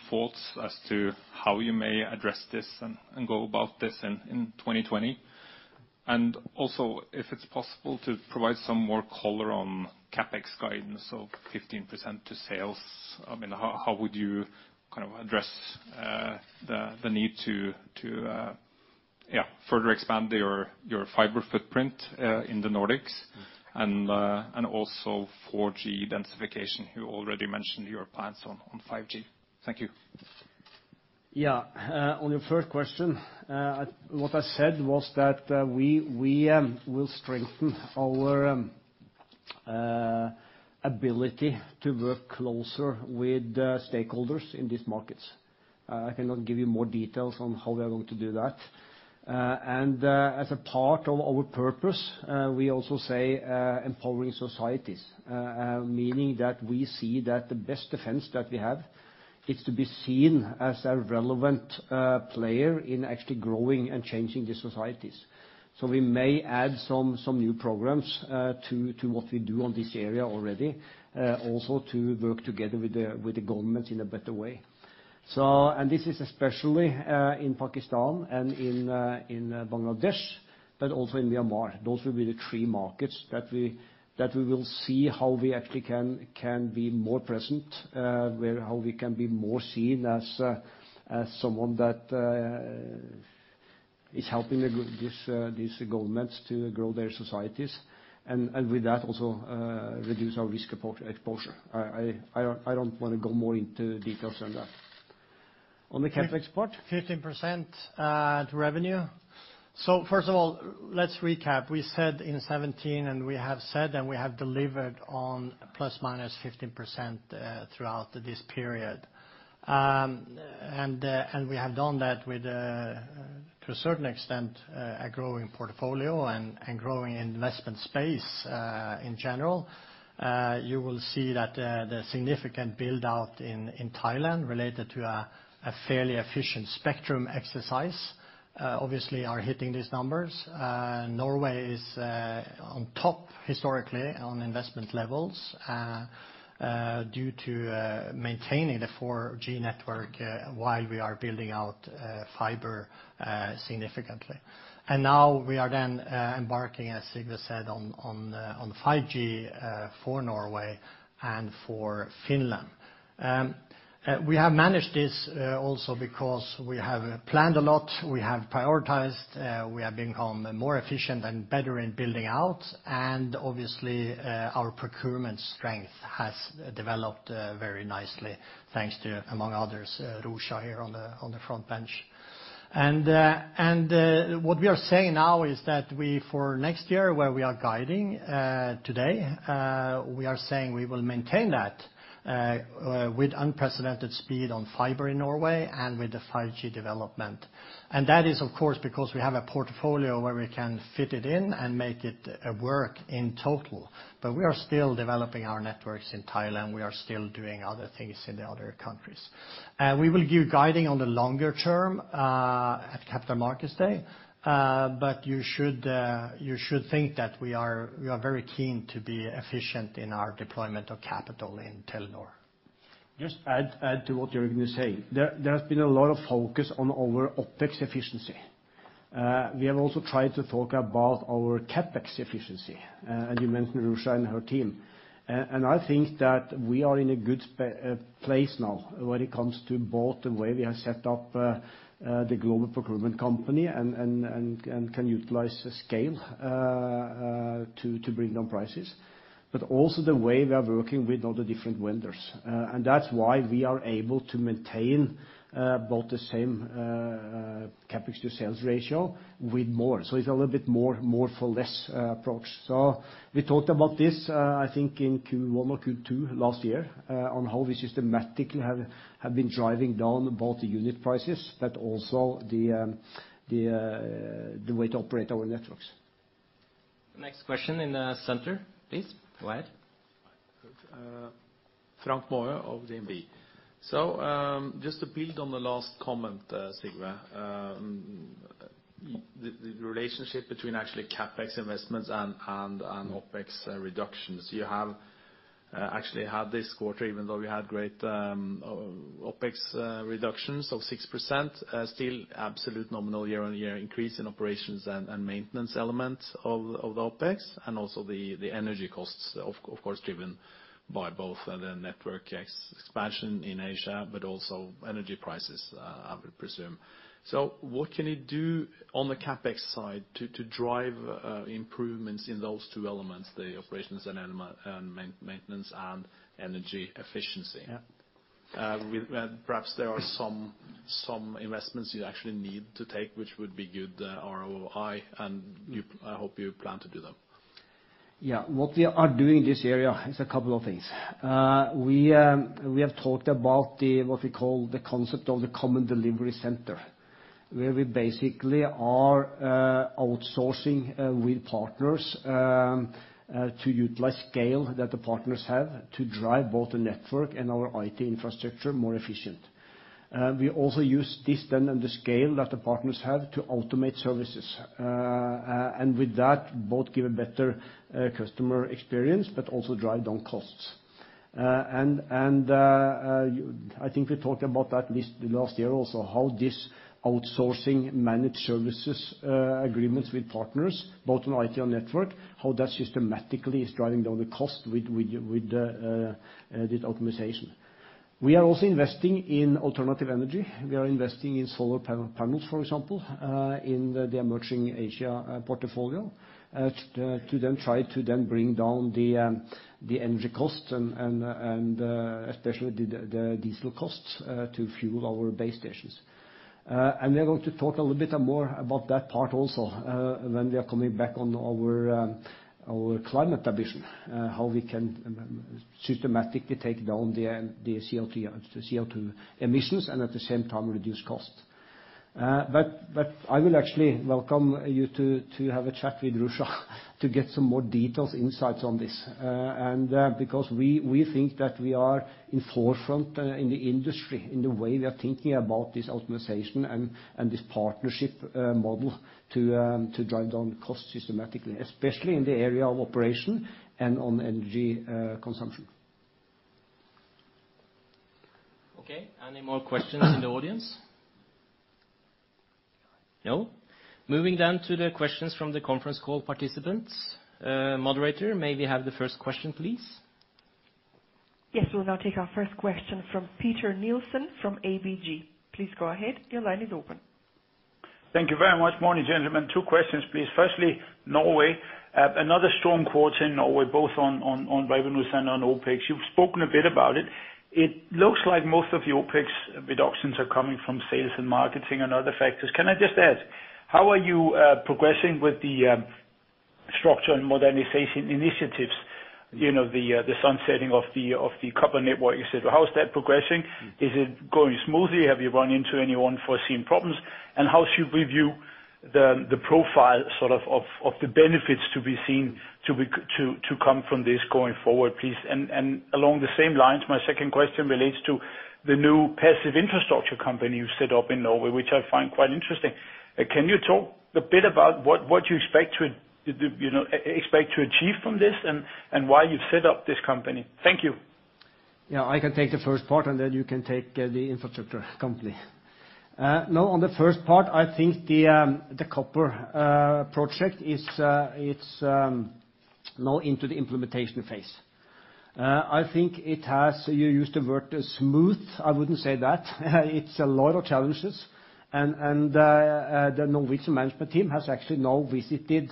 Speaker 3: thoughts as to how you may address this and go about this in 2020? And also, if it's possible, to provide some more color on CapEx guidance of 15% to sales. I mean, how would you kind of address the need to further expand your fiber footprint in the Nordics, and also 4G densification? You already mentioned your plans on 5G. Thank you.
Speaker 1: Yeah, on your first question, what I said was that, we will strengthen our ability to work closer with the stakeholders in these markets. I cannot give you more details on how we are going to do that. And, as a part of our purpose, we also say, empowering societies, meaning that we see that the best defense that we have is to be seen as a relevant player in actually growing and changing the societies. So we may add some new programs to what we do on this area already, also to work together with the government in a better way. So and this is especially in Pakistan and in Bangladesh, but also in Myanmar. Those will be the three markets that we will see how we actually can be more present, where how we can be more seen as someone that is helping these governments to grow their societies, and with that, also reduce our risk exposure. I don't want to go more into details on that. On the CapEx part?
Speaker 2: 15% to revenue. So first of all, let's recap. We said in 2017, and we have said, and we have delivered on ±15% throughout this period. And we have done that with, to a certain extent, a growing portfolio and growing investment space in general. You will see that the significant build-out in Thailand related to a fairly efficient spectrum exercise obviously are hitting these numbers. Norway is on top historically on investment levels due to maintaining the 4G network while we are building out fiber significantly. And now we are then embarking, as Sigve said, on 5G for Norway and for Finland. We have managed this also because we have planned a lot, we have prioritized, we have become more efficient and better in building out, and obviously, our procurement strength has developed very nicely, thanks to, among others, Risha here on the front bench. And what we are saying now is that we, for next year, where we are guiding today, we are saying we will maintain that with unprecedented speed on fiber in Norway and with the 5G development. And that is, of course, because we have a portfolio where we can fit it in and make it work in total. But we are still developing our networks in Thailand. We are still doing other things in the other countries. We will give guiding on the longer term at Capital Markets Day. But you should think that we are very keen to be efficient in our deployment of capital in Telenor.
Speaker 1: Just add to what you're going to say. There has been a lot of focus on our OpEx efficiency. We have also tried to talk about our CapEx efficiency, as you mentioned, Ruza and her team. I think that we are in a good place now when it comes to both the way we have set up the global procurement company and can utilize the scale to bring down prices, but also the way we are working with all the different vendors. And that's why we are able to maintain both the same CapEx to sales ratio with more. So it's a little bit more for less approach. So we talked about this, I think in Q1 or Q2 last year, on how we systematically have been driving down both the unit prices, but also the way to operate our networks. The next question in the center, please go ahead.
Speaker 4: Frank Maaø of DNB. So, just to build on the last comment, Sigve, the relationship between actually CapEx investments and OpEx reductions, you have actually had this quarter, even though we had great OpEx reductions of 6%, still absolute nominal year-on-year increase in operations and maintenance elements of OpEx, and also the energy costs, of course, driven by both the network expansion in Asia, but also energy prices, I would presume. So what can you do on the CapEx side to drive improvements in those two elements, the operations and maintenance, and energy efficiency?
Speaker 1: Yeah.
Speaker 4: With, perhaps there are some investments you actually need to take, which would be good ROI, and you—I hope you plan to do them.
Speaker 1: Yeah. What we are doing in this area is a couple of things. We have talked about the, what we call the concept of the common delivery center, where we basically are outsourcing with partners to utilize scale that the partners have to drive both the network and our IT infrastructure more efficient. We also use this then, and the scale that the partners have to automate services. And with that, both give a better customer experience, but also drive down costs. I think we talked about that at least the last year also, how this outsourcing managed services agreements with partners, both on IT and network, how that systematically is driving down the cost with this optimization. We are also investing in alternative energy. We are investing in solar panel, panels, for example, in the emerging Asia portfolio, to try to bring down the energy costs and especially the diesel costs to fuel our base stations. We are going to talk a little bit more about that part also when we are coming back on our climate ambition, how we can systematically take down the CO2 emissions and at the same time, reduce cost. I will actually welcome you to have a chat with Risha to get some more detailed insights on this. Because we think that we are in forefront in the industry, in the way we are thinking about this optimization and this partnership model to drive down costs systematically, especially in the area of operation and on energy consumption. Okay, any more questions in the audience? No. Moving down to the questions from the conference call participants. Moderator, may we have the first question, please?
Speaker 5: Yes, we'll now take our first question from Peter Nielsen from ABG. Please go ahead. Your line is open.
Speaker 6: Thank you very much. Morning, gentlemen. Two questions, please. Firstly, Norway. Another strong quarter in Norway, both on revenue and on OpEx. You've spoken a bit about it. It looks like most of the OpEx reductions are coming from sales and marketing and other factors. Can I just ask, how are you progressing with the structure and modernization initiatives? You know, the sunsetting of the copper network, you said. How is that progressing? Is it going smoothly? Have you run into any unforeseen problems? And how should we view the profile, sort of, of the benefits to be seen to come from this going forward, please? And along the same lines, my second question relates to the new passive infrastructure company you set up in Norway, which I find quite interesting. Can you talk a bit about what you expect to, you know, achieve from this, and why you set up this company? Thank you.
Speaker 1: Yeah, I can take the first part, and then you can take the infrastructure company. No, on the first part, I think the copper project is now into the implementation phase. I think it has; you used the word smooth, I wouldn't say that. It's a lot of challenges, and the Norwegian management team has actually now visited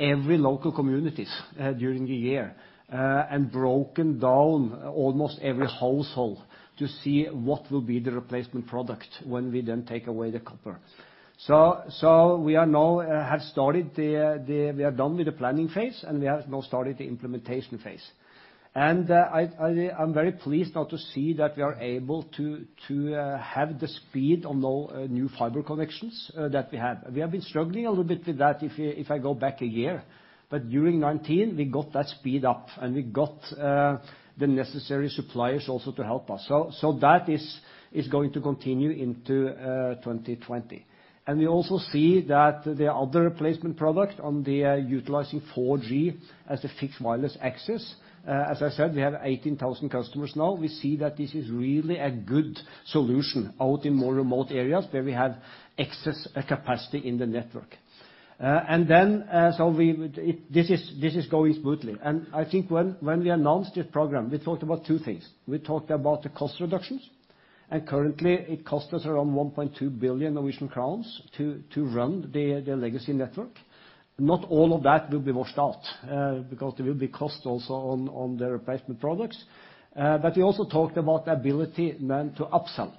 Speaker 1: every local communities during the year, and broken down almost every household to see what will be the replacement product when we then take away the copper. So we are now done with the planning phase, and we have now started the implementation phase. I'm very pleased now to see that we are able to have the speed on all new fiber connections that we have. We have been struggling a little bit with that if I go back a year. But during 2019, we got that speed up, and we got the necessary suppliers also to help us. So that is going to continue into 2020. And we also see that the other replacement product utilizing 4G as a fixed wireless access, as I said, we have 18,000 customers now. We see that this is really a good solution out in more remote areas where we have excess capacity in the network. And then, this is going smoothly. I think when we announced this program, we talked about two things. We talked about the cost reductions, and currently, it costs us around 1.2 billion Norwegian crowns to run the legacy network. Not all of that will be washed out, because there will be costs also on the replacement products. But we also talked about the ability then to upsell.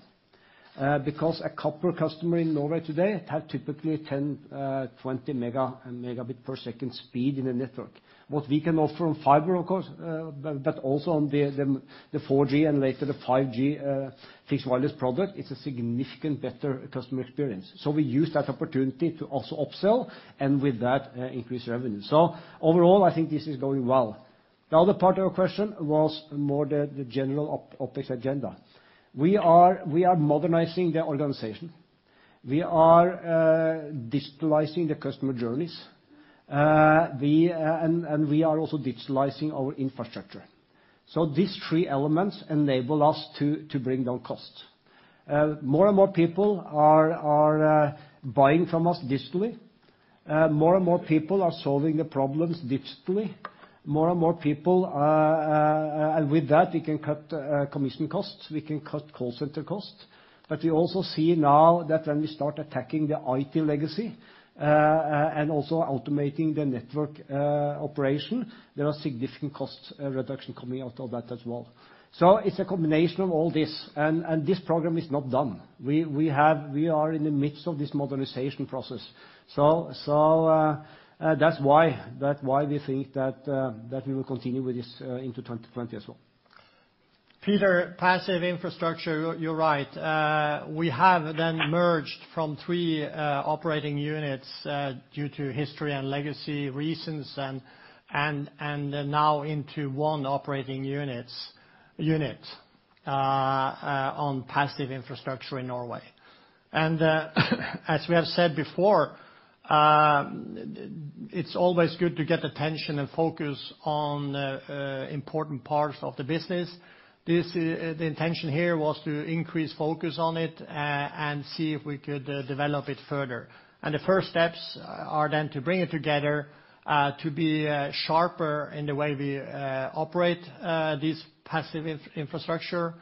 Speaker 1: Because a copper customer in Norway today have typically 10-20 Mbps speed in the network. What we can offer on fiber, of course, but also on the 4G and later the 5G fixed wireless product, it's a significant better customer experience. So we use that opportunity to also upsell and with that, increase revenue. So overall, I think this is going well. The other part of your question was more the general OpEx agenda. We are modernizing the organization. We are digitalizing the customer journeys. We are also digitalizing our infrastructure. So these three elements enable us to bring down costs. More and more people are buying from us digitally. More and more people are solving the problems digitally. More and more people, and with that, we can cut commission costs, we can cut call center costs. But we also see now that when we start attacking the IT legacy, and also automating the network operation, there are significant cost reduction coming out of that as well. So it's a combination of all this, and this program is not done. We are in the midst of this modernization process. So, that's why we think that we will continue with this into 2020 as well.
Speaker 2: Peter, passive infrastructure, you're right. We have then merged from three operating units due to history and legacy reasons, and now into one operating unit on passive infrastructure in Norway. And, as we have said before, it's always good to get attention and focus on important parts of the business. This, the intention here was to increase focus on it and see if we could develop it further. And the first steps are then to bring it together to be sharper in the way we operate this passive infrastructure,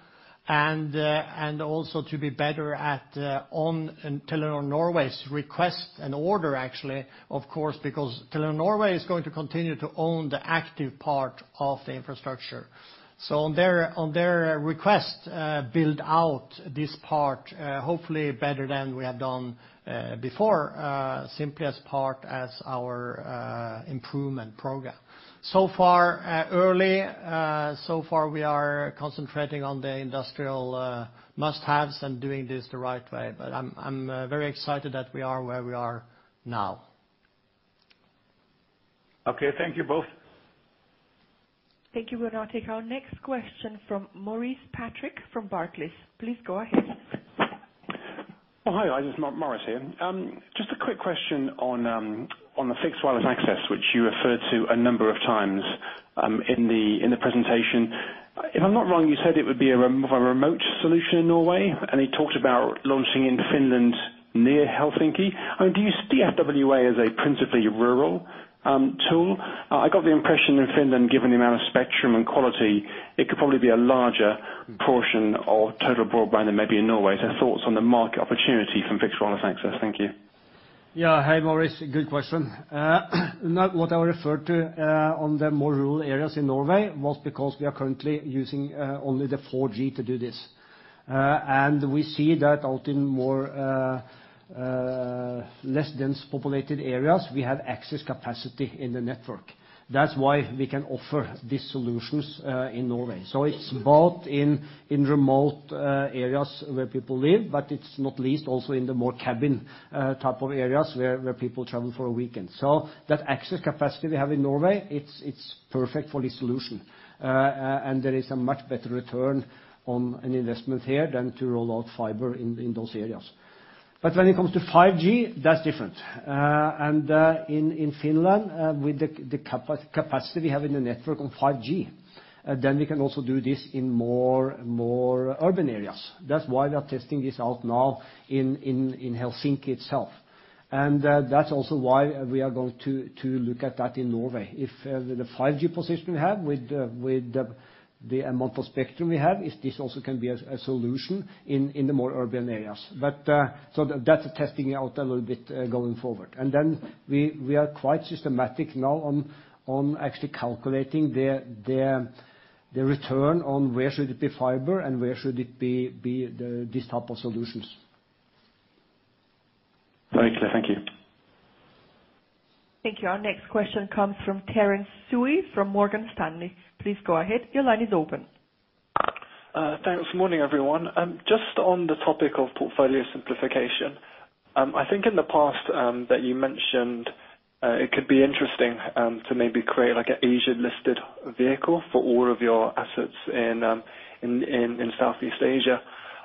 Speaker 2: and also to be better at, on Telenor Norway's request and order, actually, of course, because Telenor Norway is going to continue to own the active part of the infrastructure. So on their request, build out this part, hopefully better than we have done before, simply as part as our improvement program. So far, early so far, we are concentrating on the industrial must-haves and doing this the right way, but I'm very excited that we are where we are now.
Speaker 6: Okay, thank you both.
Speaker 5: Thank you, Peter. We'll take our next question from Maurice Patrick from Barclays. Please go ahead.
Speaker 7: Oh, hi, guys, it's Maurice here. Just a quick question on the fixed wireless access, which you referred to a number of times in the presentation. If I'm not wrong, you said it would be a remote solution in Norway, and you talked about launching in Finland, near Helsinki. I mean, do you see FWA as a principally rural tool? I got the impression in Finland, given the amount of spectrum and quality, it could probably be a larger portion of total broadband than maybe in Norway. So thoughts on the market opportunity from fixed wireless access. Thank you.
Speaker 1: Yeah. Hi, Maurice, good question. Now, what I referred to on the more rural areas in Norway was because we are currently using only the 4G to do this. And we see that out in more less dense populated areas, we have excess capacity in the network. That's why we can offer these solutions in Norway. So it's both in remote areas where people live, but it's not least also in the more cabin type of areas where people travel for a weekend. So that excess capacity we have in Norway, it's perfect for this solution. And there is a much better return on an investment here than to roll out fiber in those areas. But when it comes to 5G, that's different. And in Finland, with the capacity we have in the network on 5G, then we can also do this in more urban areas. That's why we are testing this out now in Helsinki itself. And that's also why we are going to look at that in Norway. If the 5G position we have with the amount of spectrum we have, if this also can be a solution in the more urban areas. But so that's testing out a little bit going forward. And then we are quite systematic now on actually calculating the return on where should it be fiber and where should it be these type of solutions....
Speaker 7: Very clear. Thank you.
Speaker 5: Thank you. Our next question comes from Terence Tsui from Morgan Stanley. Please go ahead. Your line is open.
Speaker 8: Thanks. Morning, everyone. Just on the topic of portfolio simplification, I think in the past that you mentioned it could be interesting to maybe create, like, an Asian-listed vehicle for all of your assets in Southeast Asia.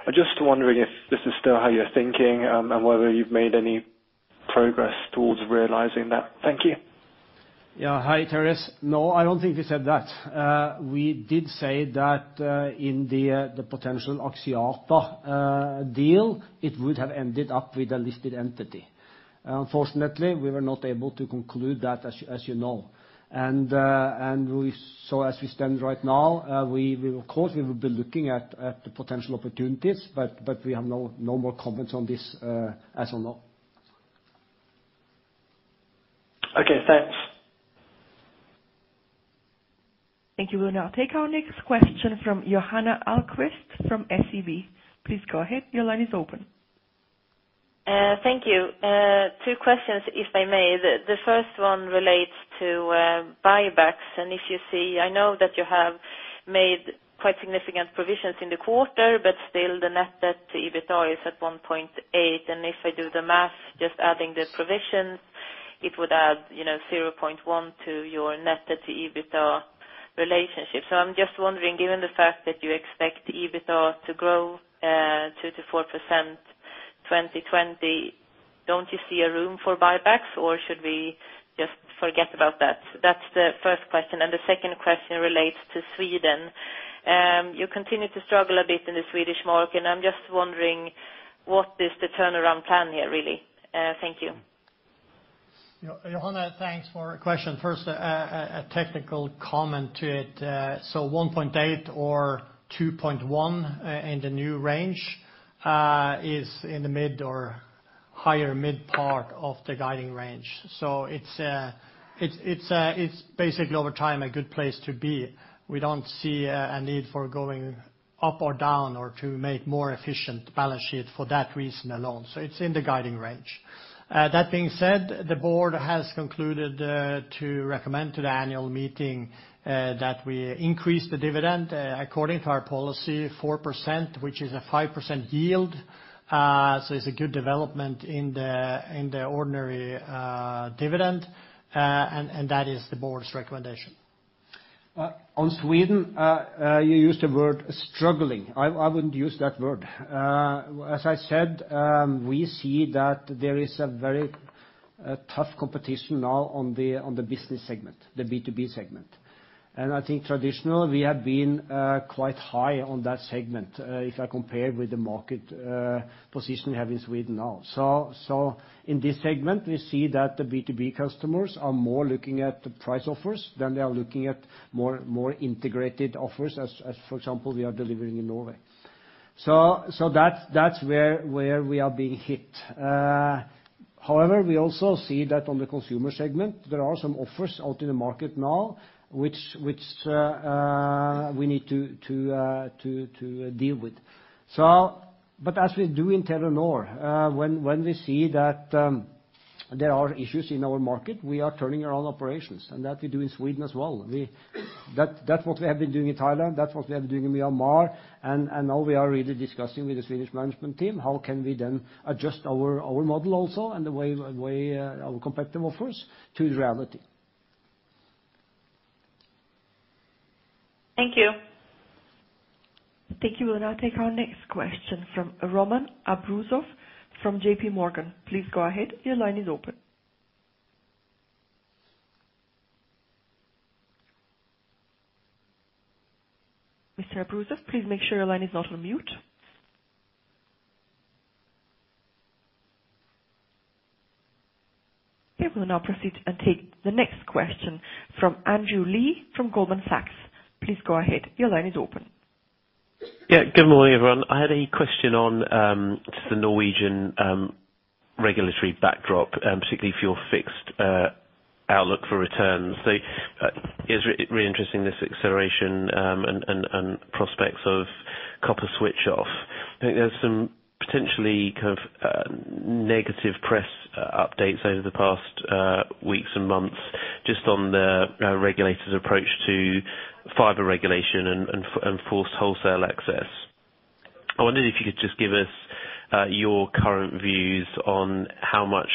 Speaker 8: I'm just wondering if this is still how you're thinking and whether you've made any progress towards realizing that. Thank you.
Speaker 1: Yeah. Hi, Terence. No, I don't think we said that. We did say that in the potential Axiata deal, it would have ended up with a listed entity. Unfortunately, we were not able to conclude that, as you know. And so as we stand right now, we of course will be looking at the potential opportunities, but we have no more comments on this as of now.
Speaker 8: Okay, thanks.
Speaker 5: Thank you. We'll now take our next question from Johanna Ahlqvist from SEB. Please go ahead. Your line is open.
Speaker 9: Thank you. Two questions, if I may. The first one relates to buybacks. If you see, I know that you have made quite significant provisions in the quarter, but still the net debt to EBITDA is at 1.8, and if I do the math, just adding the provisions, it would add, you know, 0.1 to your net debt to EBITDA relationship. So I'm just wondering, given the fact that you expect the EBITDA to grow 2%-4%, 2020, don't you see a room for buybacks, or should we just forget about that? That's the first question, and the second question relates to Sweden. You continue to struggle a bit in the Swedish market, and I'm just wondering, what is the turnaround plan here, really? Thank you.
Speaker 1: Johanna, thanks for your question. First, a technical comment to it. So 1.8 or 2.1 in the new range is in the mid or higher mid part of the guiding range. So it's basically over time a good place to be. We don't see a need for going up or down or to make more efficient balance sheet for that reason alone, so it's in the guiding range. That being said, the board has concluded to recommend to the annual meeting that we increase the dividend according to our policy 4%, which is a 5% yield. So it's a good development in the ordinary dividend, and that is the board's recommendation. On Sweden, you used the word struggling. I wouldn't use that word. As I said, we see that there is a very tough competition now on the business segment, the B2B segment. And I think traditionally, we have been quite high on that segment, if I compare with the market position we have in Sweden now. So in this segment, we see that the B2B customers are more looking at the price offers than they are looking at more integrated offers, as for example, we are delivering in Norway. So that's where we are being hit. However, we also see that on the consumer segment, there are some offers out in the market now, which we need to deal with. So... But as we do in Telenor, when we see that there are issues in our market, we are turning around operations, and that we do in Sweden as well. That's what we have been doing in Thailand, that's what we have been doing in Myanmar, and now we are really discussing with the Swedish management team, how can we then adjust our model also, and the way our competitive offers to reality?
Speaker 9: Thank you.
Speaker 5: Thank you. We'll now take our next question from Roman Arbuzov, from J.P. Morgan. Please go ahead. Your line is open. Mr. Abruzov, please make sure your line is not on mute. Okay, we'll now proceed and take the next question from Andrew Lee from Goldman Sachs. Please go ahead. Your line is open.
Speaker 10: Yeah. Good morning, everyone. I had a question on just the Norwegian regulatory backdrop, particularly for your fixed outlook for returns. So, it's really interesting, this acceleration and prospects of copper switch off. I think there's some potentially kind of negative press updates over the past weeks and months, just on the regulators' approach to fiber regulation and forced wholesale access. I wondered if you could just give us your current views on how much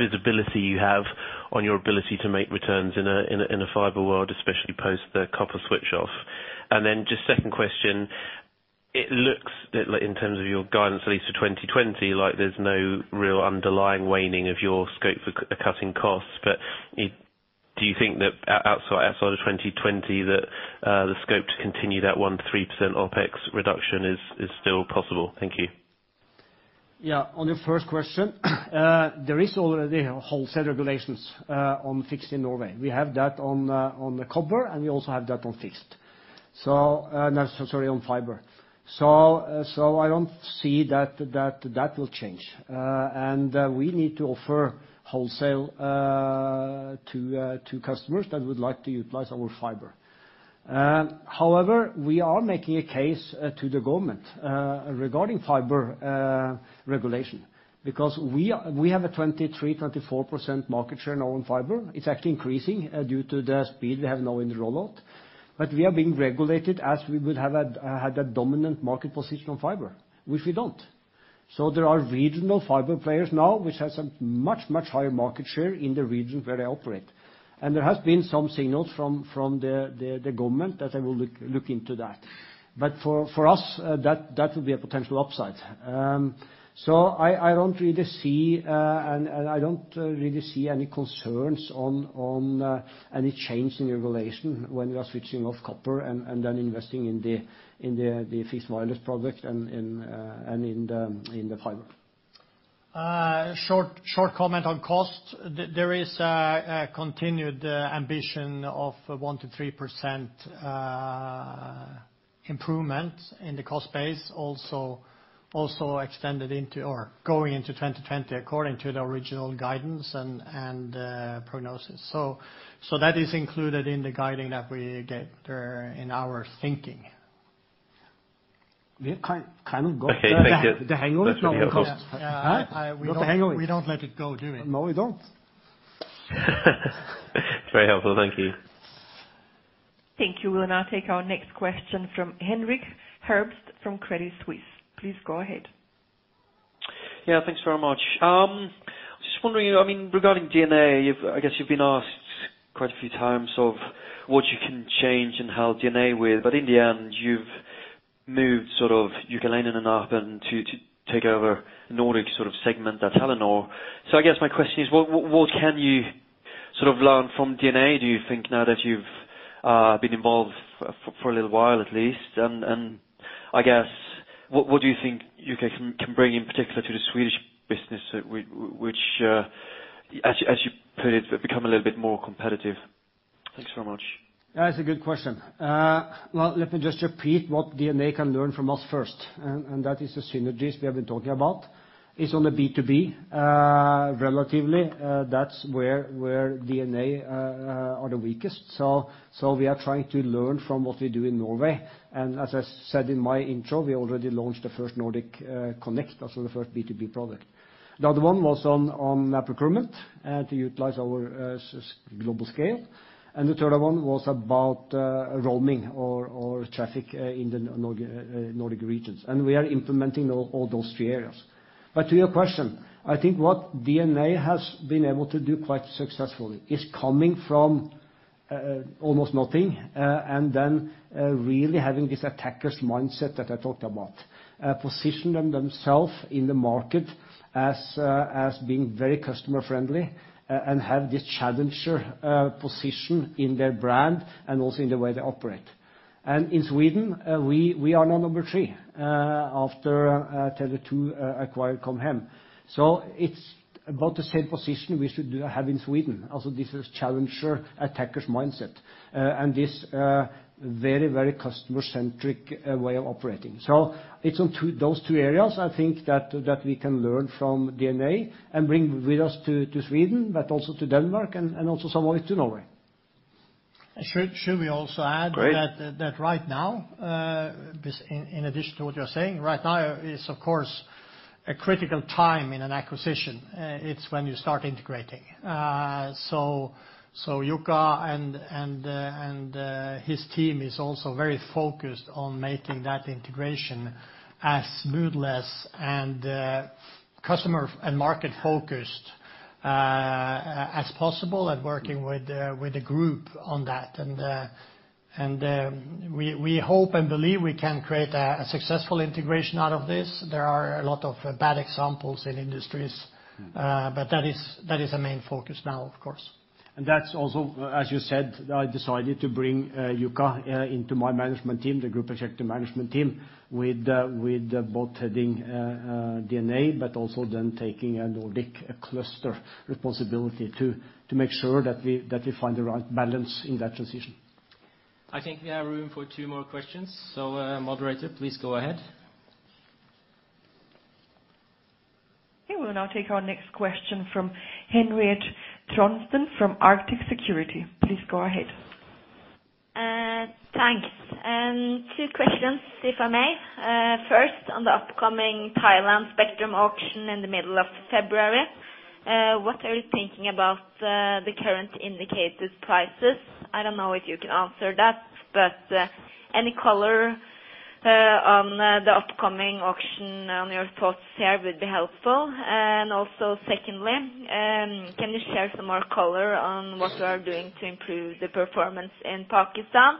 Speaker 10: visibility you have on your ability to make returns in a fiber world, especially post the copper switch off. And then just second question: It looks that like in terms of your guidance, at least for 2020, like there's no real underlying waning of your scope for cutting costs, but do you think that outside of 2020, that the scope to continue that 1%-3% OpEx reduction is still possible? Thank you.
Speaker 1: Yeah. On your first question, there is already wholesale regulations on fixed in Norway. We have that on the copper, and we also have that on fixed, so necessarily on fiber. So I don't see that will change. And we need to offer wholesale to customers that would like to utilize our fiber. However, we are making a case to the government regarding fiber regulation, because we have a 23-24% market share now in fiber. It's actually increasing due to the speed we have now in the rollout. But we are being regulated as we would have had a dominant market position on fiber, which we don't. So there are regional fiber players now, which has a much, much higher market share in the regions where they operate. And there has been some signals from the government that they will look into that. But for us, that will be a potential upside. So I don't really see, and I don't really see any concerns on any change in regulation when we are switching off copper and then investing in the fixed wireless product and in the fiber.
Speaker 2: Short comment on cost. There is a continued ambition of 1%-3% improvement in the cost base, also extended into or going into 2020, according to the original guidance and prognosis. So that is included in the guiding that we get in our thinking.
Speaker 1: We have kind of got-
Speaker 10: Okay, thank you.
Speaker 1: The hang of it, not the cost.
Speaker 2: Yeah, we don't-
Speaker 1: Got the hang of it.
Speaker 2: We don't let it go, do we?
Speaker 1: No, we don't.
Speaker 10: Very helpful. Thank you.
Speaker 5: Thank you. We'll now take our next question from Henrik Herbst from Credit Suisse. Please go ahead.
Speaker 11: Yeah, thanks very much. Just wondering, I mean, regarding DNA, you've, I guess you've been asked quite a few times of what you can change and how DNA with, but in the end, you've moved sort of Jukka Leinonen up and to, to take over Nordic sort of segment at Telenor. So I guess my question is: What, what, what can you sort of learn from DNA, do you think, now that you've been involved for, for a little while at least? And, and I guess, what, what do you think you can, can bring in particular to the Swedish business, which, as you, as you put it, become a little bit more competitive? Thanks so much.
Speaker 1: That's a good question. Well, let me just repeat what DNA can learn from us first, and that is the synergies we have been talking about. It's on the B2B, relatively, that's where DNA are the weakest. So we are trying to learn from what we do in Norway. And as I said in my intro, we already launched the first Nordic Connect, also the first B2B product. The other one was on procurement to utilize our global scale. And the third one was about roaming or traffic in the Nordic regions. And we are implementing all those three areas. But to your question, I think what DNA has been able to do quite successfully is coming from almost nothing and then really having this attacker's mindset that I talked about. Position themselves in the market as being very customer friendly and have this challenger position in their brand and also in the way they operate. And in Sweden, we are now number 3 after Tele2 acquired Com Hem. So it's about the same position we should have in Sweden. Also, this is challenger, attacker's mindset and this very, very customer-centric way of operating. So it's on those two areas, I think, that we can learn from DNA and bring with us to Sweden, but also to Denmark and also some of it to Norway.
Speaker 2: Should we also add-
Speaker 11: Great...
Speaker 2: that right now, in addition to what you're saying, right now is, of course, a critical time in an acquisition. It's when you start integrating. So Jukka and his team is also very focused on making that integration as smooth and customer- and market-focused as possible, and working with the group on that. And we hope and believe we can create a successful integration out of this. There are a lot of bad examples in industries-
Speaker 11: Mm-hmm.
Speaker 2: But that is, that is a main focus now, of course.
Speaker 1: That's also, as you said, I decided to bring Jukka into my management team, the group executive management team, with both heading DNA but also then taking a Nordic cluster responsibility to make sure that we find the right balance in that transition. I think we have room for two more questions, so, moderator, please go ahead.
Speaker 5: Okay, we'll now take our next question from Henriette Trondsen from Arctic Securities. Please go ahead.
Speaker 12: Thanks. Two questions, if I may. First, on the upcoming Thailand spectrum auction in the middle of February, what are you thinking about the current indicated prices? I don't know if you can answer that, but any color on the upcoming auction and your thoughts here would be helpful. And also, secondly, can you share some more color on what you are doing to improve the performance in Pakistan,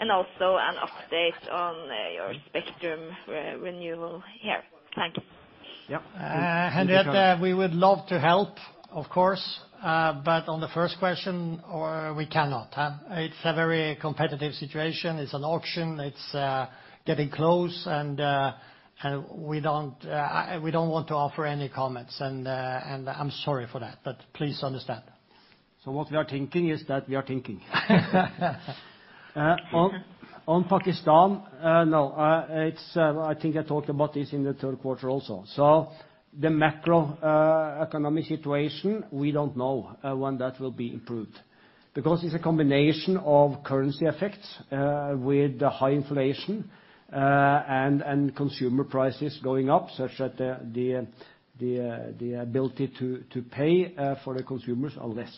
Speaker 12: and also an update on your spectrum re-renewal here? Thank you.
Speaker 1: Yeah.
Speaker 2: Henriette, we would love to help, of course, but on the first question, we cannot. It's a very competitive situation. It's an auction; it's getting close, and we don't want to offer any comments, and I'm sorry for that, but please understand.
Speaker 1: So, on Pakistan, I think I talked about this in the third quarter also. So the macroeconomic situation, we don't know when that will be improved, because it's a combination of currency effects with the high inflation and consumer prices going up, such that the ability to pay for the consumers are less.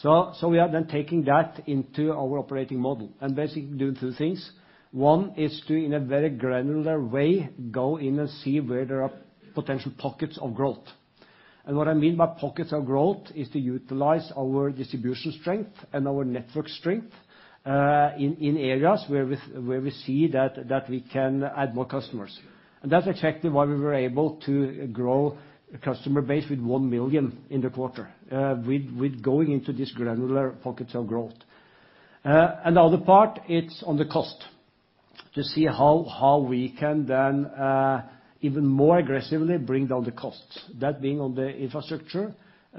Speaker 1: So, we are then taking that into our operating model and basically doing two things. One is to, in a very granular way, go in and see where there are potential pockets of growth. And what I mean by pockets of growth is to utilize our distribution strength and our network strength in areas where we see that we can add more customers. That's exactly why we were able to grow customer base with 1 million in the quarter, with, with going into this granular pockets of growth. And the other part, it's on the cost, to see how, how we can then, even more aggressively bring down the costs, that being on the infrastructure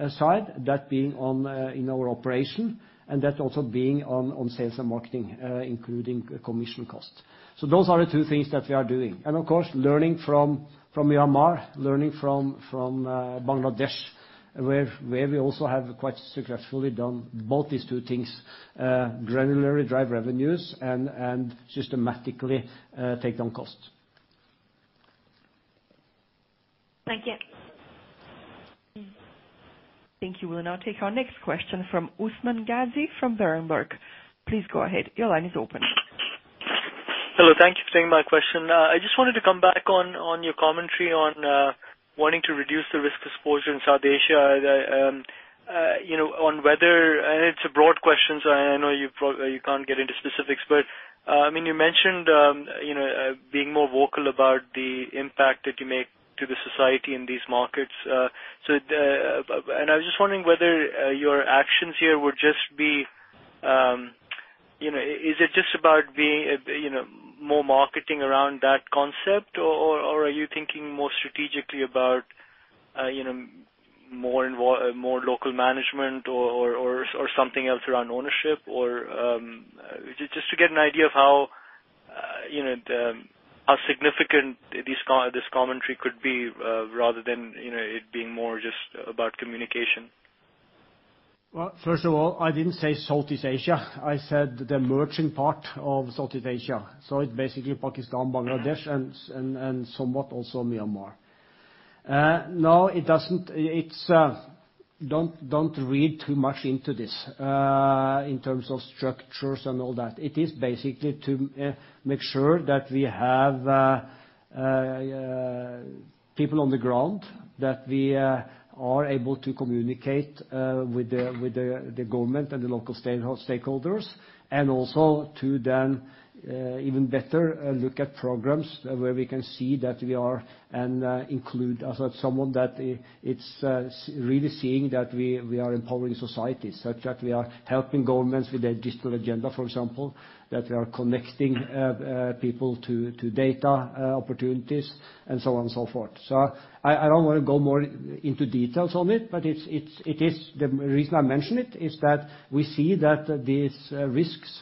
Speaker 1: side, that being on in our operation, and that also being on, on sales and marketing, including commission costs. So those are the two things that we are doing. And, of course, learning from, from Myanmar, learning from, from, Bangladesh, where, where we also have quite successfully done both these two things, granularly drive revenues and, and systematically, take down costs.
Speaker 12: Thank you.
Speaker 5: Thank you. We'll now take our next question from Usman Ghazi from Berenberg. Please go ahead. Your line is open.
Speaker 13: Hello. Thank you for taking my question. I just wanted to come back on your commentary on wanting to reduce the risk exposure in South Asia. You know, on whether... And it's a broad question, so I know you can't get into specifics. But, I mean, you mentioned being more vocal about the impact that you make to the society in these markets. And I was just wondering whether your actions here would just be, you know, is it just about being, you know, more marketing around that concept? Or are you thinking more strategically about, you know, more local management or something else around ownership? Or, just to get an idea of how, you know, how significant this commentary could be, rather than, you know, it being more just about communication.
Speaker 1: Well, first of all, I didn't say Southeast Asia. I said the emerging part of Southeast Asia, so it's basically Pakistan, Bangladesh, and somewhat also Myanmar. No, it doesn't. It's don't read too much into this in terms of structures and all that. It is basically to make sure that we have people on the ground, that we are able to communicate with the government and the local stakeholders, and also to then even better look at programs where we can see that we are and include as someone that it's really seeing that we are empowering society, such that we are helping governments with their digital agenda, for example, that we are connecting people to data opportunities, and so on and so forth. So I don't want to go more into details on it, but it's, it is. The reason I mention it is that we see that these risks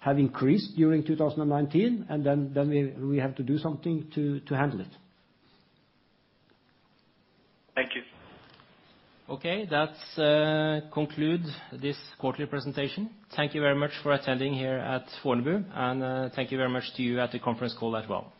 Speaker 1: have increased during 2019, and then we have to do something to handle it.
Speaker 13: Thank you.
Speaker 14: Okay, that concludes this quarterly presentation. Thank you very much for attending here at Fornebu, and thank you very much to you at the conference call as well. Thank you.